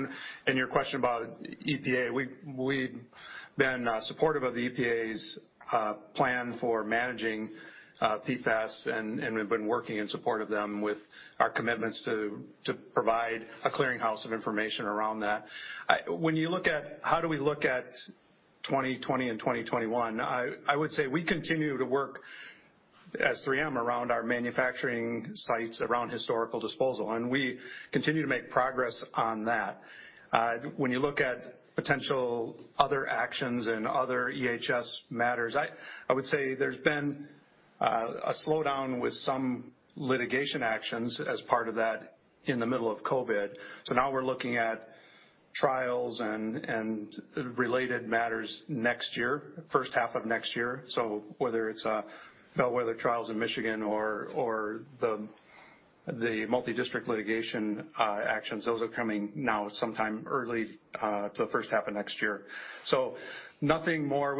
Your question about EPA, we've been supportive of the EPA's plan for managing PFAS, and we've been working in support of them with our commitments to provide a clearinghouse of information around that. When you look at how do we look at 2020 and 2021, I would say we continue to work as 3M around our manufacturing sites around historical disposal, and we continue to make progress on that. When you look at potential other actions and other EHS matters, I would say there's been a slowdown with some litigation actions as part of that in the middle of COVID. Now we're looking at trials and related matters next year, first half of next year. Whether it's bellwether trials in Michigan or the multi-district litigation actions, those are coming now sometime early to the first half of next year. Nothing more.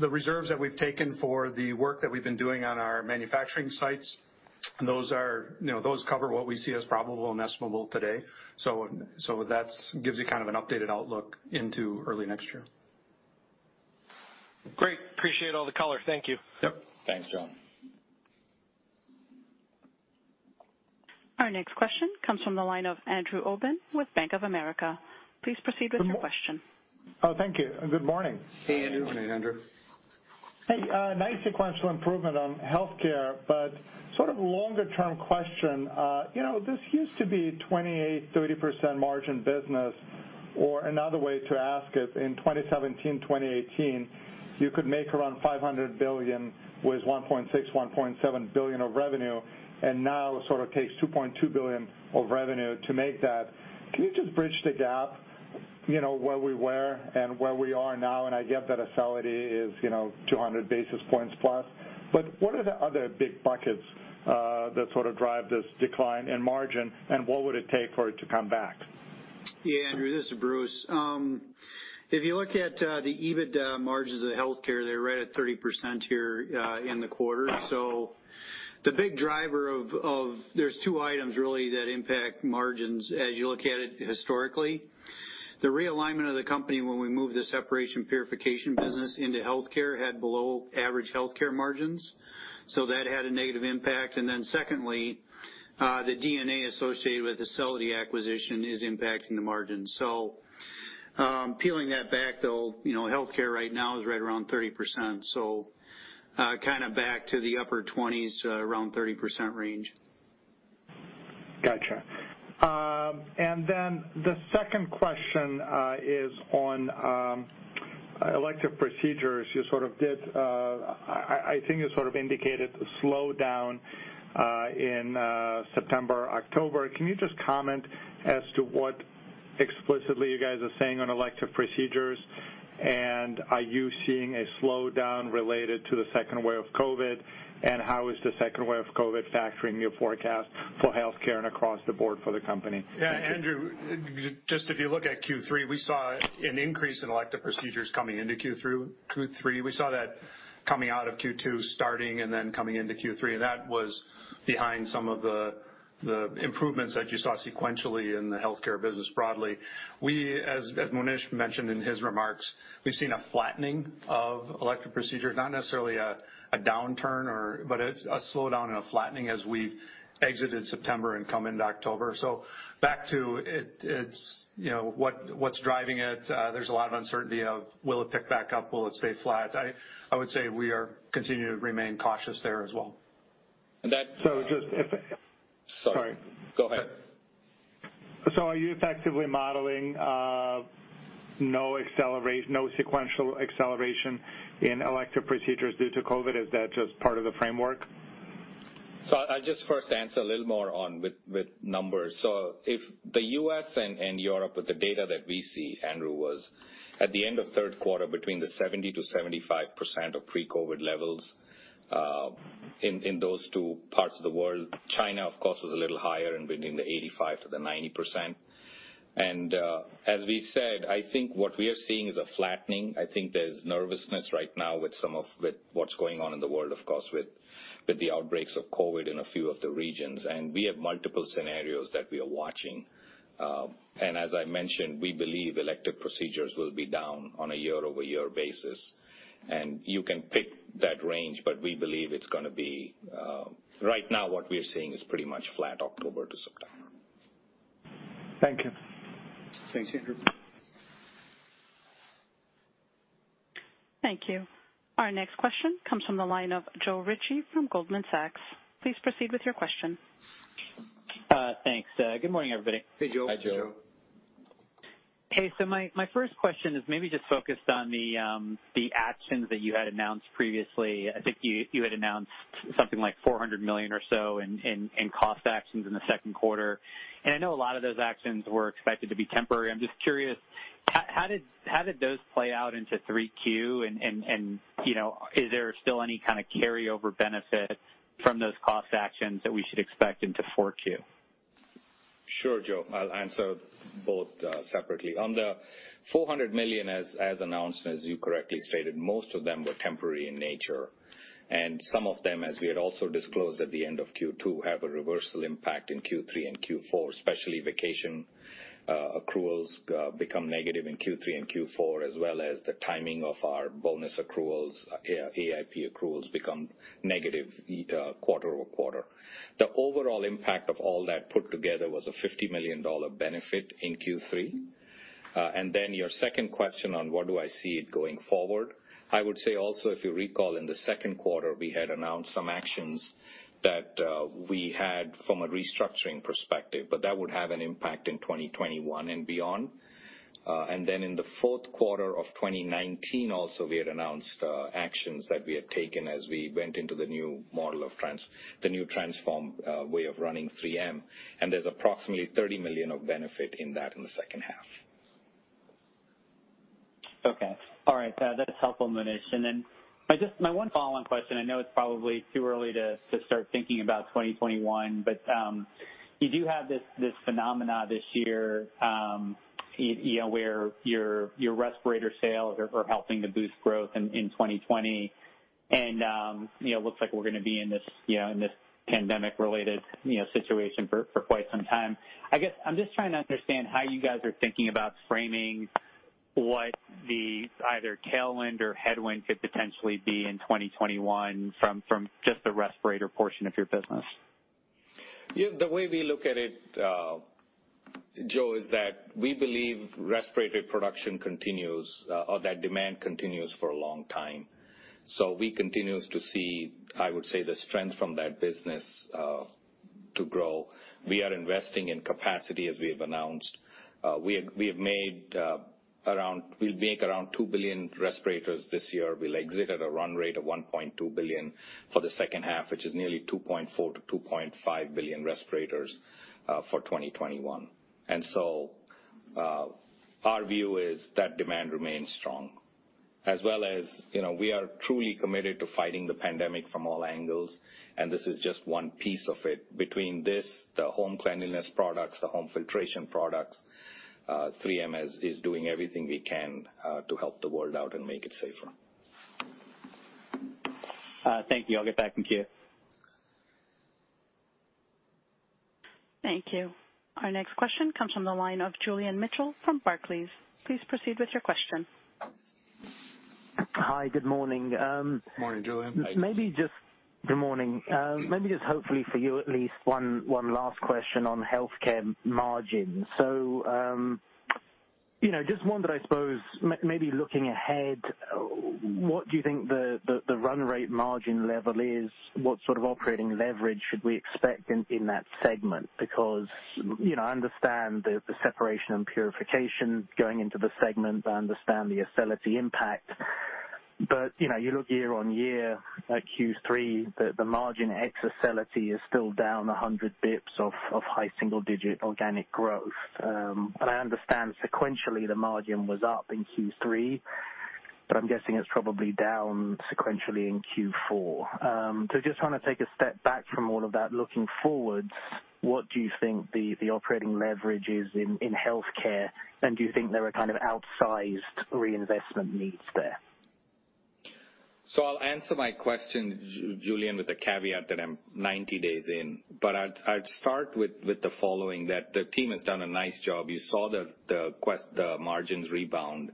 The reserves that we've taken for the work that we've been doing on our manufacturing sites, those cover what we see as probable and estimable today. That gives you kind of an updated outlook into early next year. Great. Appreciate all the color. Thank you. Yep. Thanks, John. Our next question comes from the line of Andrew Obin with Bank of America. Please proceed with your question. Oh, thank you. Good morning. Hey, Andrew. Good morning, Andrew. Hey, nice sequential improvement on Healthcare, but sort of longer-term question. This used to be 28%-30% margin business, or another way to ask it, in 2017, 2018, you could make around $500 billion with $1.6 billion-$1.7 billion of revenue, and now it sort of takes $2.2 billion of revenue to make that. Can you just bridge the gap, where we were and where we are now? I get that Acelity is 200+ basis points, but what are the other big buckets that sort of drive this decline in margin, and what would it take for it to come back? Yeah, Andrew, this is Bruce. If you look at the EBITDA margins of Healthcare, they're right at 30% here in the quarter. There's two items really that impact margins as you look at it historically. The realignment of the company when we moved the separation Purification business into Healthcare had below average Healthcare margins. That had a negative impact. Secondly, the D&A associated with Acelity acquisition is impacting the margin. Peeling that back though, Healthcare right now is right around 30%. Kind of back to the upper 20s%, around 30% range. Gotcha. The second question is on elective procedures. You sort of indicated a slowdown in September, October. Can you just comment as to what explicitly you guys are saying on elective procedures, and are you seeing a slowdown related to the second wave of COVID? How is the second wave of COVID factoring your forecast for healthcare and across the board for the company? Thank you. Yeah, Andrew, just if you look at Q3, we saw an increase in elective procedures coming into Q3. We saw that coming out of Q2 starting and then coming into Q3, and that was behind some of the improvements that you saw sequentially in the Healthcare business broadly. We, as Monish mentioned in his remarks, we've seen a flattening of elective procedures, not necessarily a downturn, but a slowdown and a flattening as we've exited September and come into October. Back to what's driving it, there's a lot of uncertainty of will it pick back up? Will it stay flat? I would say we continue to remain cautious there as well. And that- So just if- Sorry. Sorry. Go ahead. Are you effectively modeling no sequential acceleration in elective procedures due to COVID? Is that just part of the framework? I'll just first answer a little more on with numbers. If the U.S. and Europe, with the data that we see, Andrew, was at the end of third quarter between 70%-75% of pre-COVID levels, in those two parts of the world. China, of course, was a little higher and between 85%-90%. As we said, I think what we are seeing is a flattening. I think there's nervousness right now with what's going on in the world, of course, with the outbreaks of COVID in a few of the regions. We have multiple scenarios that we are watching. As I mentioned, we believe elective procedures will be down on a year-over-year basis. You can pick that range, but we believe it's going to be, right now what we are seeing is pretty much flat October to September. Thank you. Thanks, Andrew. Thank you. Our next question comes from the line of Joe Ritchie from Goldman Sachs. Please proceed with your question. Thanks. Good morning, everybody. Hey, Joe. Hi, Joe. My first question is maybe just focused on the actions that you had announced previously. I think you had announced something like $400 million or so in cost actions in the second quarter, and I know a lot of those actions were expected to be temporary. I'm just curious, how did those play out into 3Q, and is there still any kind of carryover benefit from those cost actions that we should expect into 4Q? Sure, Joe. I'll answer both separately. On the $400 million, as announced, as you correctly stated, most of them were temporary in nature. Some of them, as we had also disclosed at the end of Q2, have a reversal impact in Q3 and Q4, especially vacation accruals become negative in Q3 and Q4, as well as the timing of our bonus accruals, AIP accruals become negative quarter-over-quarter. The overall impact of all that put together was a $50 million benefit in Q3. Your second question on what do I see it going forward? I would say also, if you recall in the second quarter, we had announced some actions that we had from a restructuring perspective, but that would have an impact in 2021 and beyond. In the fourth quarter of 2019 also, we had announced actions that we had taken as we went into the new model of the new transformed way of running 3M, and there's approximately $30 million of benefit in that in the second half. Okay. All right. That's helpful, Monish. Then my one follow-on question, I know it's probably too early to start thinking about 2021, but, you do have this phenomena this year, where your respirator sales are helping to boost growth in 2020. It looks like we're going to be in this pandemic related situation for quite some time. I guess I'm just trying to understand how you guys are thinking about framing what the either tailwind or headwind could potentially be in 2021 from just the respirator portion of your business. The way we look at it, Joe, is that we believe respirator production continues, or that demand continues for a long time. We continue to see, I would say, the strength from that business to grow. We are investing in capacity as we have announced. We'll make around two billion respirators this year. We'll exit at a run rate of 1.2 billion for the second half, which is nearly 2.4 billion-2.5 billion respirators for 2021. Our view is that demand remains strong. As well as, we are truly committed to fighting the pandemic from all angles, and this is just one piece of it. Between this, the home cleanliness products, the home filtration products, 3M is doing everything we can to help the world out and make it safer. Thank you. I'll get back in queue. Thank you. Our next question comes from the line of Julian Mitchell from Barclays. Please proceed with your question. Hi. Good morning. Morning, Julian. Good morning. Maybe just hopefully for you at least one last question on Healthcare margin. Just one that I suppose maybe looking ahead, what do you think the run rate margin level is? What sort of operating leverage should we expect in that segment? Because I understand the separation and purification going into the segment. I understand the Acelity impact. You look year-over-year at Q3, the margin ex Acelity is still down 100 basis points of high single-digit organic growth. I understand sequentially the margin was up in Q3, but I'm guessing it's probably down sequentially in Q4. Just trying to take a step back from all of that looking forwards, what do you think the operating leverage is in Healthcare? Do you think there are kind of outsized reinvestment needs there? I'll answer my question, Julian, with the caveat that I'm 90 days in. I'd start with the following, that the team has done a nice job. You saw the margins rebound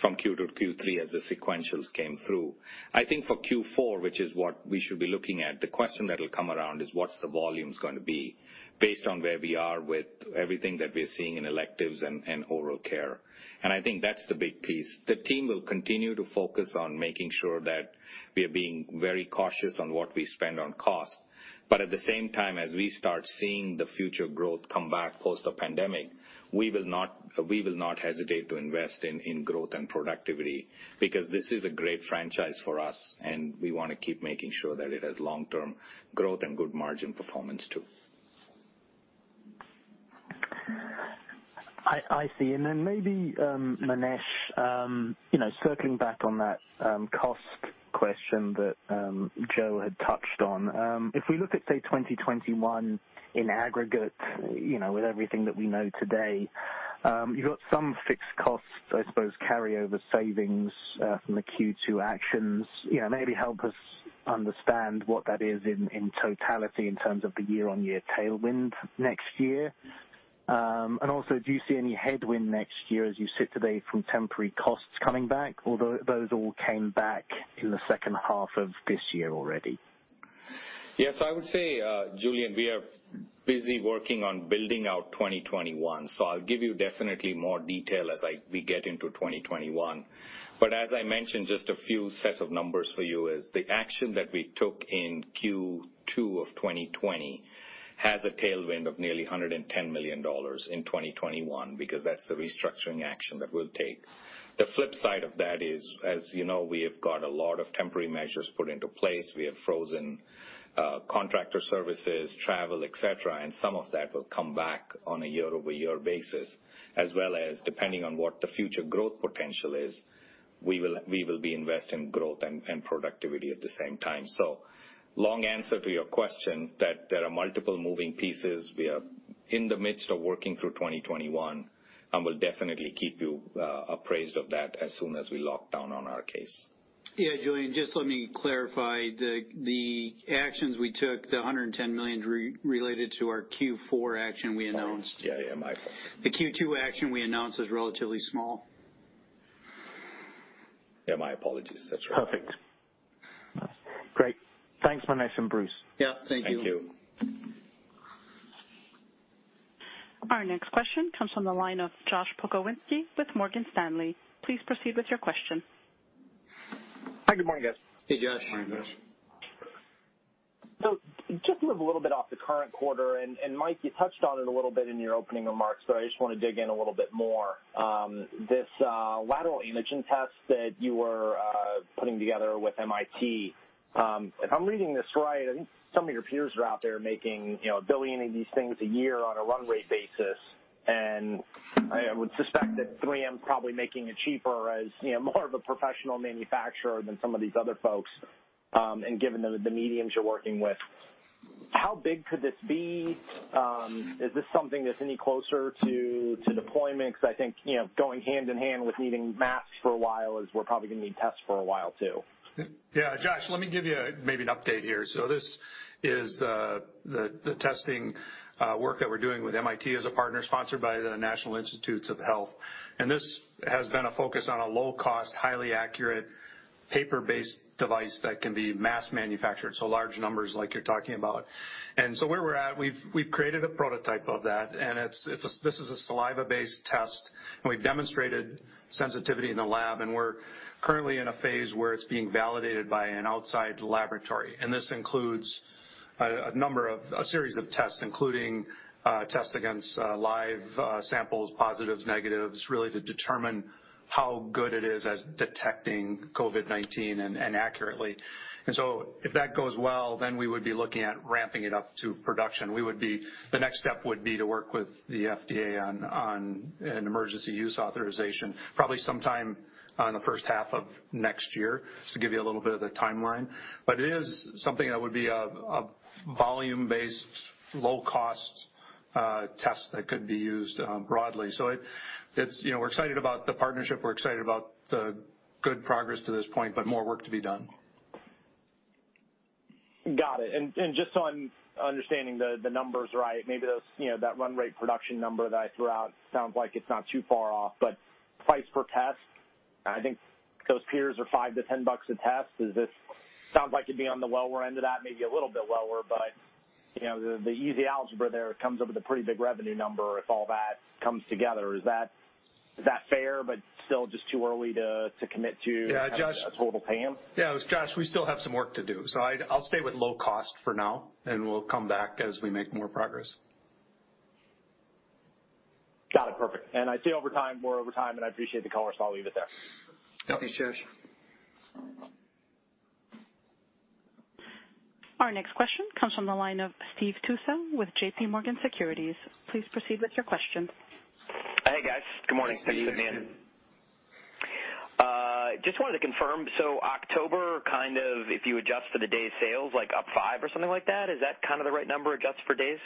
from Q2 to Q3 as the sequentials came through. I think for Q4, which is what we should be looking at, the question that'll come around is what's the volumes going to be based on where we are with everything that we're seeing in electives and oral care. I think that's the big piece. The team will continue to focus on making sure that we are being very cautious on what we spend on cost. At the same time, as we start seeing the future growth come back post the pandemic, we will not hesitate to invest in growth and productivity because this is a great franchise for us, and we want to keep making sure that it has long-term growth and good margin performance too. I see. Then maybe, Monish, circling back on that cost question that Joe had touched on. If we look at, say, 2021 in aggregate, with everything that we know today, you've got some fixed costs, I suppose, carry-over savings from the Q2 actions. Maybe help us understand what that is in totality in terms of the year-on-year tailwind next year. Also, do you see any headwind next year as you sit today from temporary costs coming back? Although those all came back in the second half of this year already. I would say, Julian, we are busy working on building out 2021. As I mentioned, just a few sets of numbers for you is the action that we took in Q2 2020 has a tailwind of nearly $110 million in 2021 because that's the restructuring action that we'll take. The flip side of that is, as you know, we have got a lot of temporary measures put into place. We have frozen contractor services, travel, et cetera, and some of that will come back on a year-over-year basis, as well as depending on what the future growth potential is, we will be investing in growth and productivity at the same time. Long answer to your question that there are multiple moving pieces. We are in the midst of working through 2021, and we'll definitely keep you appraised of that as soon as we lock down on our case. Julian, just let me clarify. The actions we took, the $110 million related to our Q4 action we announced. Yeah, my fault. The Q2 action we announced is relatively small. Yeah, my apologies. That's right. Perfect. Great. Thanks, Monish and Bruce. Yeah. Thank you. Thank you. Our next question comes from the line of Josh Pokrzywinski with Morgan Stanley. Please proceed with your question. Hi, good morning, guys. Hey, Josh. Morning, Josh. Just to move a little bit off the current quarter, and Mike, you touched on it a little bit in your opening remarks, so I just want to dig in a little bit more. This lateral flow test that you were putting together with MIT. If I'm reading this right, I think some of your peers are out there making 1 billion of these things a year on a run rate basis, and I would suspect that 3M's probably making it cheaper as more of a professional manufacturer than some of these other folks, and given the mediums you're working with. How big could this be? Is this something that's any closer to deployment? I think, going hand in hand with needing masks for a while is we're probably going to need tests for a while, too. Yeah, Josh, let me give you maybe an update here. This is the testing work that we're doing with MIT as a partner sponsored by the National Institutes of Health. This has been a focus on a low-cost, highly accurate paper-based device that can be mass-manufactured, so large numbers like you're talking about. Where we're at, we've created a prototype of that, and this is a saliva-based test, and we've demonstrated sensitivity in the lab, and we're currently in a phase where it's being validated by an outside laboratory. This includes a series of tests, including tests against live samples, positives, negatives, really to determine how good it is at detecting COVID-19 and accurately. If that goes well, then we would be looking at ramping it up to production. The next step would be to work with the FDA on an emergency use authorization, probably sometime in the first half of next year, just to give you a little bit of the timeline. It is something that would be a volume-based, low cost test that could be used broadly. We're excited about the partnership. We're excited about the good progress to this point, more work to be done. Got it. Just so I'm understanding the numbers right, maybe that run rate production number that I threw out sounds like it's not too far off. Price per test, I think those peers are $5-$10 a test. This sounds like it'd be on the lower end of that, maybe a little bit lower. The easy algebra there comes up with a pretty big revenue number if all that comes together. Is that fair, but still just too early to commit to? Yeah, Josh. a total TAM? Yeah. Josh, we still have some work to do. I'll stay with low cost for now, and we'll come back as we make more progress. Got it. Perfect. I see over time, more over time, and I appreciate the color, so I'll leave it there. Thanks, Josh. Our next question comes from the line of Steve Tusa with JPMorgan Securities. Please proceed with your questions. Hey, guys, good morning. Hey, Steve. Just wanted to confirm, October, if you adjust for the day sales, up five or something like that, is that the right number adjusted for days?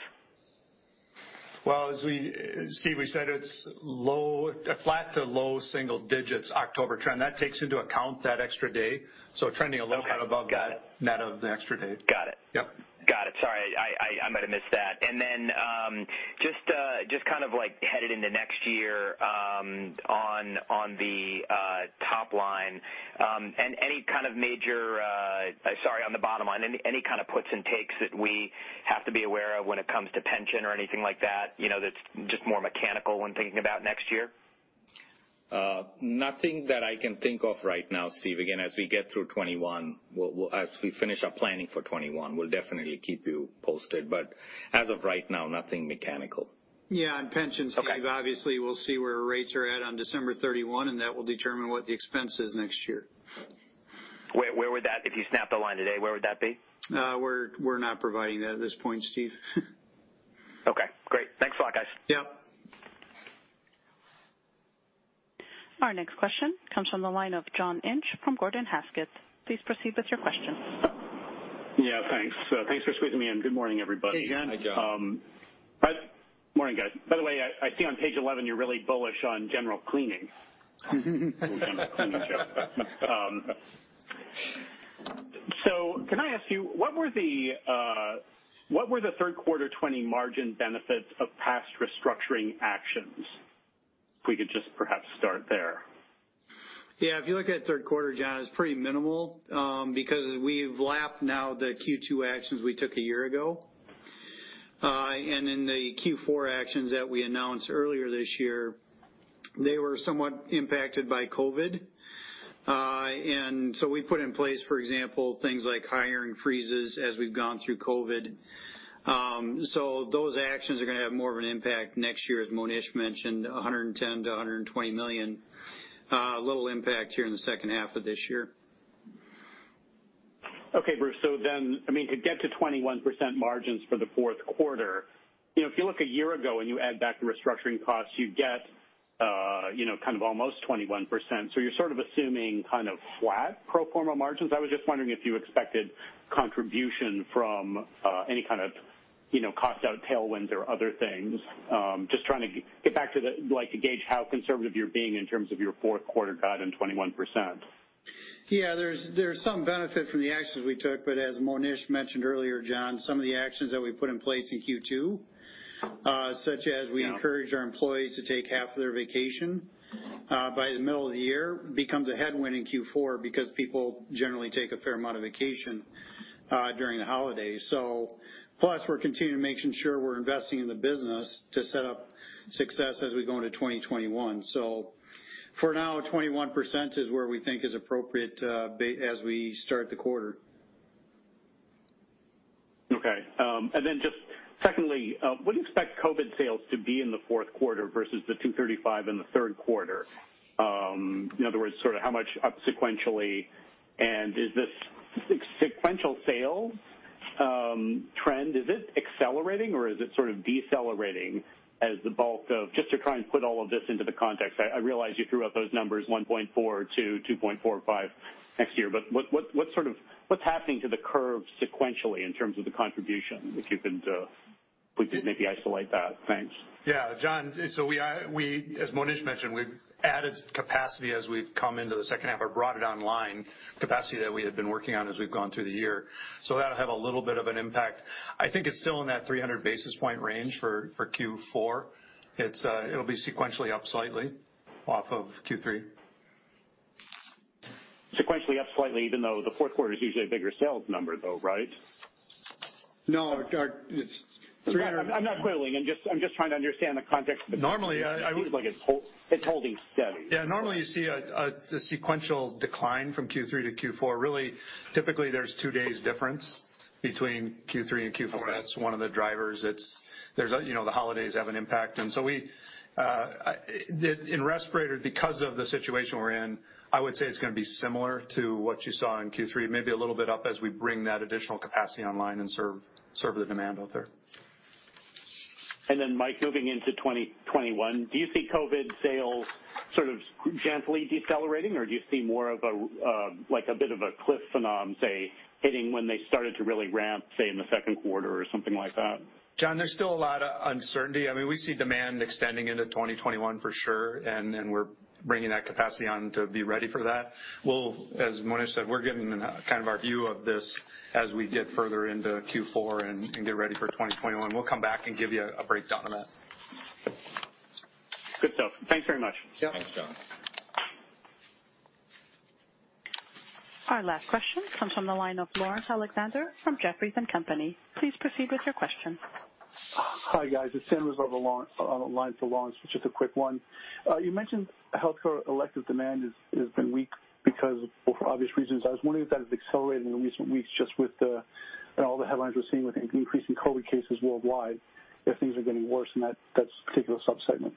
Well, Steve, we said it's flat to low single digits October trend. That takes into account that extra day. Okay. Got it. net of the extra day. Got it. Yep. Got it. Sorry, I might've missed that. Then just headed into next year on the top line, sorry, on the bottom line, any kind of puts and takes that we have to be aware of when it comes to pension or anything like that's just more mechanical when thinking about next year? Nothing that I can think of right now, Steve. Again, as we get through 2021, as we finish our planning for 2021, we'll definitely keep you posted, but as of right now, nothing mechanical. Yeah. Okay Steve, obviously we'll see where rates are at on December 31, and that will determine what the expense is next year. If you snap the line today, where would that be? We're not providing that at this point, Steve. Okay, great. Thanks a lot, guys. Yep. Our next question comes from the line of John Inch from Gordon Haskett. Please proceed with your question. Yeah, thanks. Thanks for squeezing me in. Good morning, everybody. Hey, John. Hi, John. Morning, guys. By the way, I see on page 11 you're really bullish on general cleaning. General cleaning show. Can I ask you, what were the third quarter 2020 margin benefits of past restructuring actions? If we could just perhaps start there. Yeah. If you look at third quarter, John, it's pretty minimal because we've lapped now the Q2 actions we took a year ago. The Q4 actions that we announced earlier this year, they were somewhat impacted by COVID. We put in place, for example, things like hiring freezes as we've gone through COVID. Those actions are going to have more of an impact next year, as Monish mentioned, $110 million-$120 million. Little impact here in the second half of this year. Okay, Bruce. To get to 21% margins for the fourth quarter, if you look a year ago and you add back the restructuring costs, you get almost 21%. You're sort of assuming flat pro forma margins. I was just wondering if you expected contribution from any kind of cost out tailwinds or other things. Just trying to get back to gauge how conservative you're being in terms of your fourth quarter guide and 21%. Yeah, there's some benefit from the actions we took, but as Monish mentioned earlier, John, some of the actions that we put in place in Q2, such as we encouraged our employees to take half of their vacation by the middle of the year becomes a headwind in Q4 because people generally take a fair amount of vacation during the holidays. Plus, we're continuing making sure we're investing in the business to set up success as we go into 2021. For now, 21% is where we think is appropriate as we start the quarter. Okay. Just secondly, what do you expect COVID sales to be in the fourth quarter versus the $235 in the third quarter? In other words, how much up sequentially? Is this sequential sales trend, is it accelerating, or is it sort of decelerating just to try and put all of this into the context? I realize you threw out those numbers, $1.4 billion-$2.45 billion next year, what's happening to the curve sequentially in terms of the contribution? We could maybe isolate that. Thanks. Yeah, John. As Monish mentioned, we've added capacity as we've come into the second half, or brought it online, capacity that we had been working on as we've gone through the year. That'll have a little bit of an impact. I think it's still in that 300 basis point range for Q4. It'll be sequentially up slightly off of Q3. Sequentially up slightly, even though the fourth quarter is usually a bigger sales number, though, right? No. It's 300- I'm not quibbling. I'm just trying to understand the context. Normally, I would- It seems like it's holding steady. Yeah. Normally, you see a sequential decline from Q3 to Q4. Really, typically, there's two days difference between Q3 and Q4. That's one of the drivers. The holidays have an impact. In respirators, because of the situation we're in, I would say it's going to be similar to what you saw in Q3, maybe a little bit up as we bring that additional capacity online and serve the demand out there. Mike, moving into 2021, do you see COVID sales sort of gently decelerating, or do you see more of a bit of a cliff phenomenon, say, hitting when they started to really ramp, say, in the second quarter or something like that? John, there's still a lot of uncertainty. We see demand extending into 2021 for sure, and we're bringing that capacity on to be ready for that. As Monish said, we're getting kind of our view of this as we get further into Q4 and get ready for 2021. We'll come back and give you a breakdown on that. Good stuff. Thanks very much. Yeah. Thanks, John. Our last question comes from the line of Laurence Alexander from Jefferies and Company. Please proceed with your question. Hi, guys. It's Dan Rizzo on the line for Laurence with just a quick one. You mentioned Healthcare elective demand has been weak because, well, for obvious reasons. I was wondering if that has accelerated in recent weeks just with all the headlines we're seeing with increasing COVID cases worldwide, if things are getting worse in that particular sub-segment.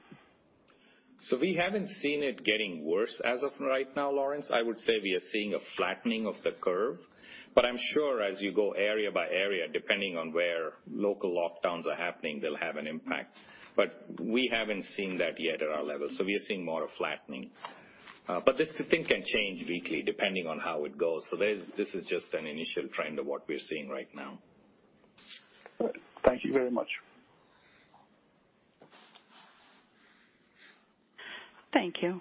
We haven't seen it getting worse as of right now, Laurence. I would say we are seeing a flattening of the curve. I'm sure as you go area by area, depending on where local lockdowns are happening, they'll have an impact. We haven't seen that yet at our level. We are seeing more of flattening. This thing can change weekly, depending on how it goes. This is just an initial trend of what we're seeing right now. Good. Thank you very much. Thank you.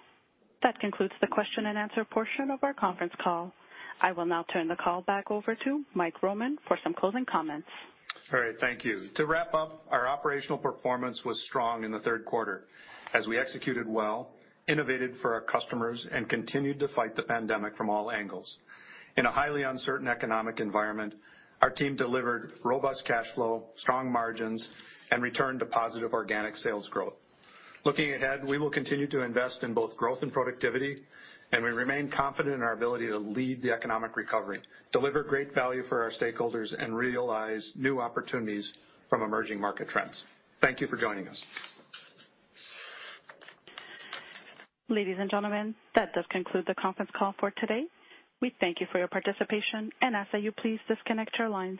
That concludes the question and answer portion of our conference call. I will now turn the call back over to Mike Roman for some closing comments. All right. Thank you. To wrap up, our operational performance was strong in the third quarter as we executed well, innovated for our customers, and continued to fight the pandemic from all angles. In a highly uncertain economic environment, our team delivered robust cash flow, strong margins, and returned to positive organic sales growth. Looking ahead, we will continue to invest in both growth and productivity, we remain confident in our ability to lead the economic recovery, deliver great value for our stakeholders, and realize new opportunities from emerging market trends. Thank you for joining us. Ladies and gentlemen, that does conclude the conference call for today. We thank you for your participation and ask that you please disconnect your lines.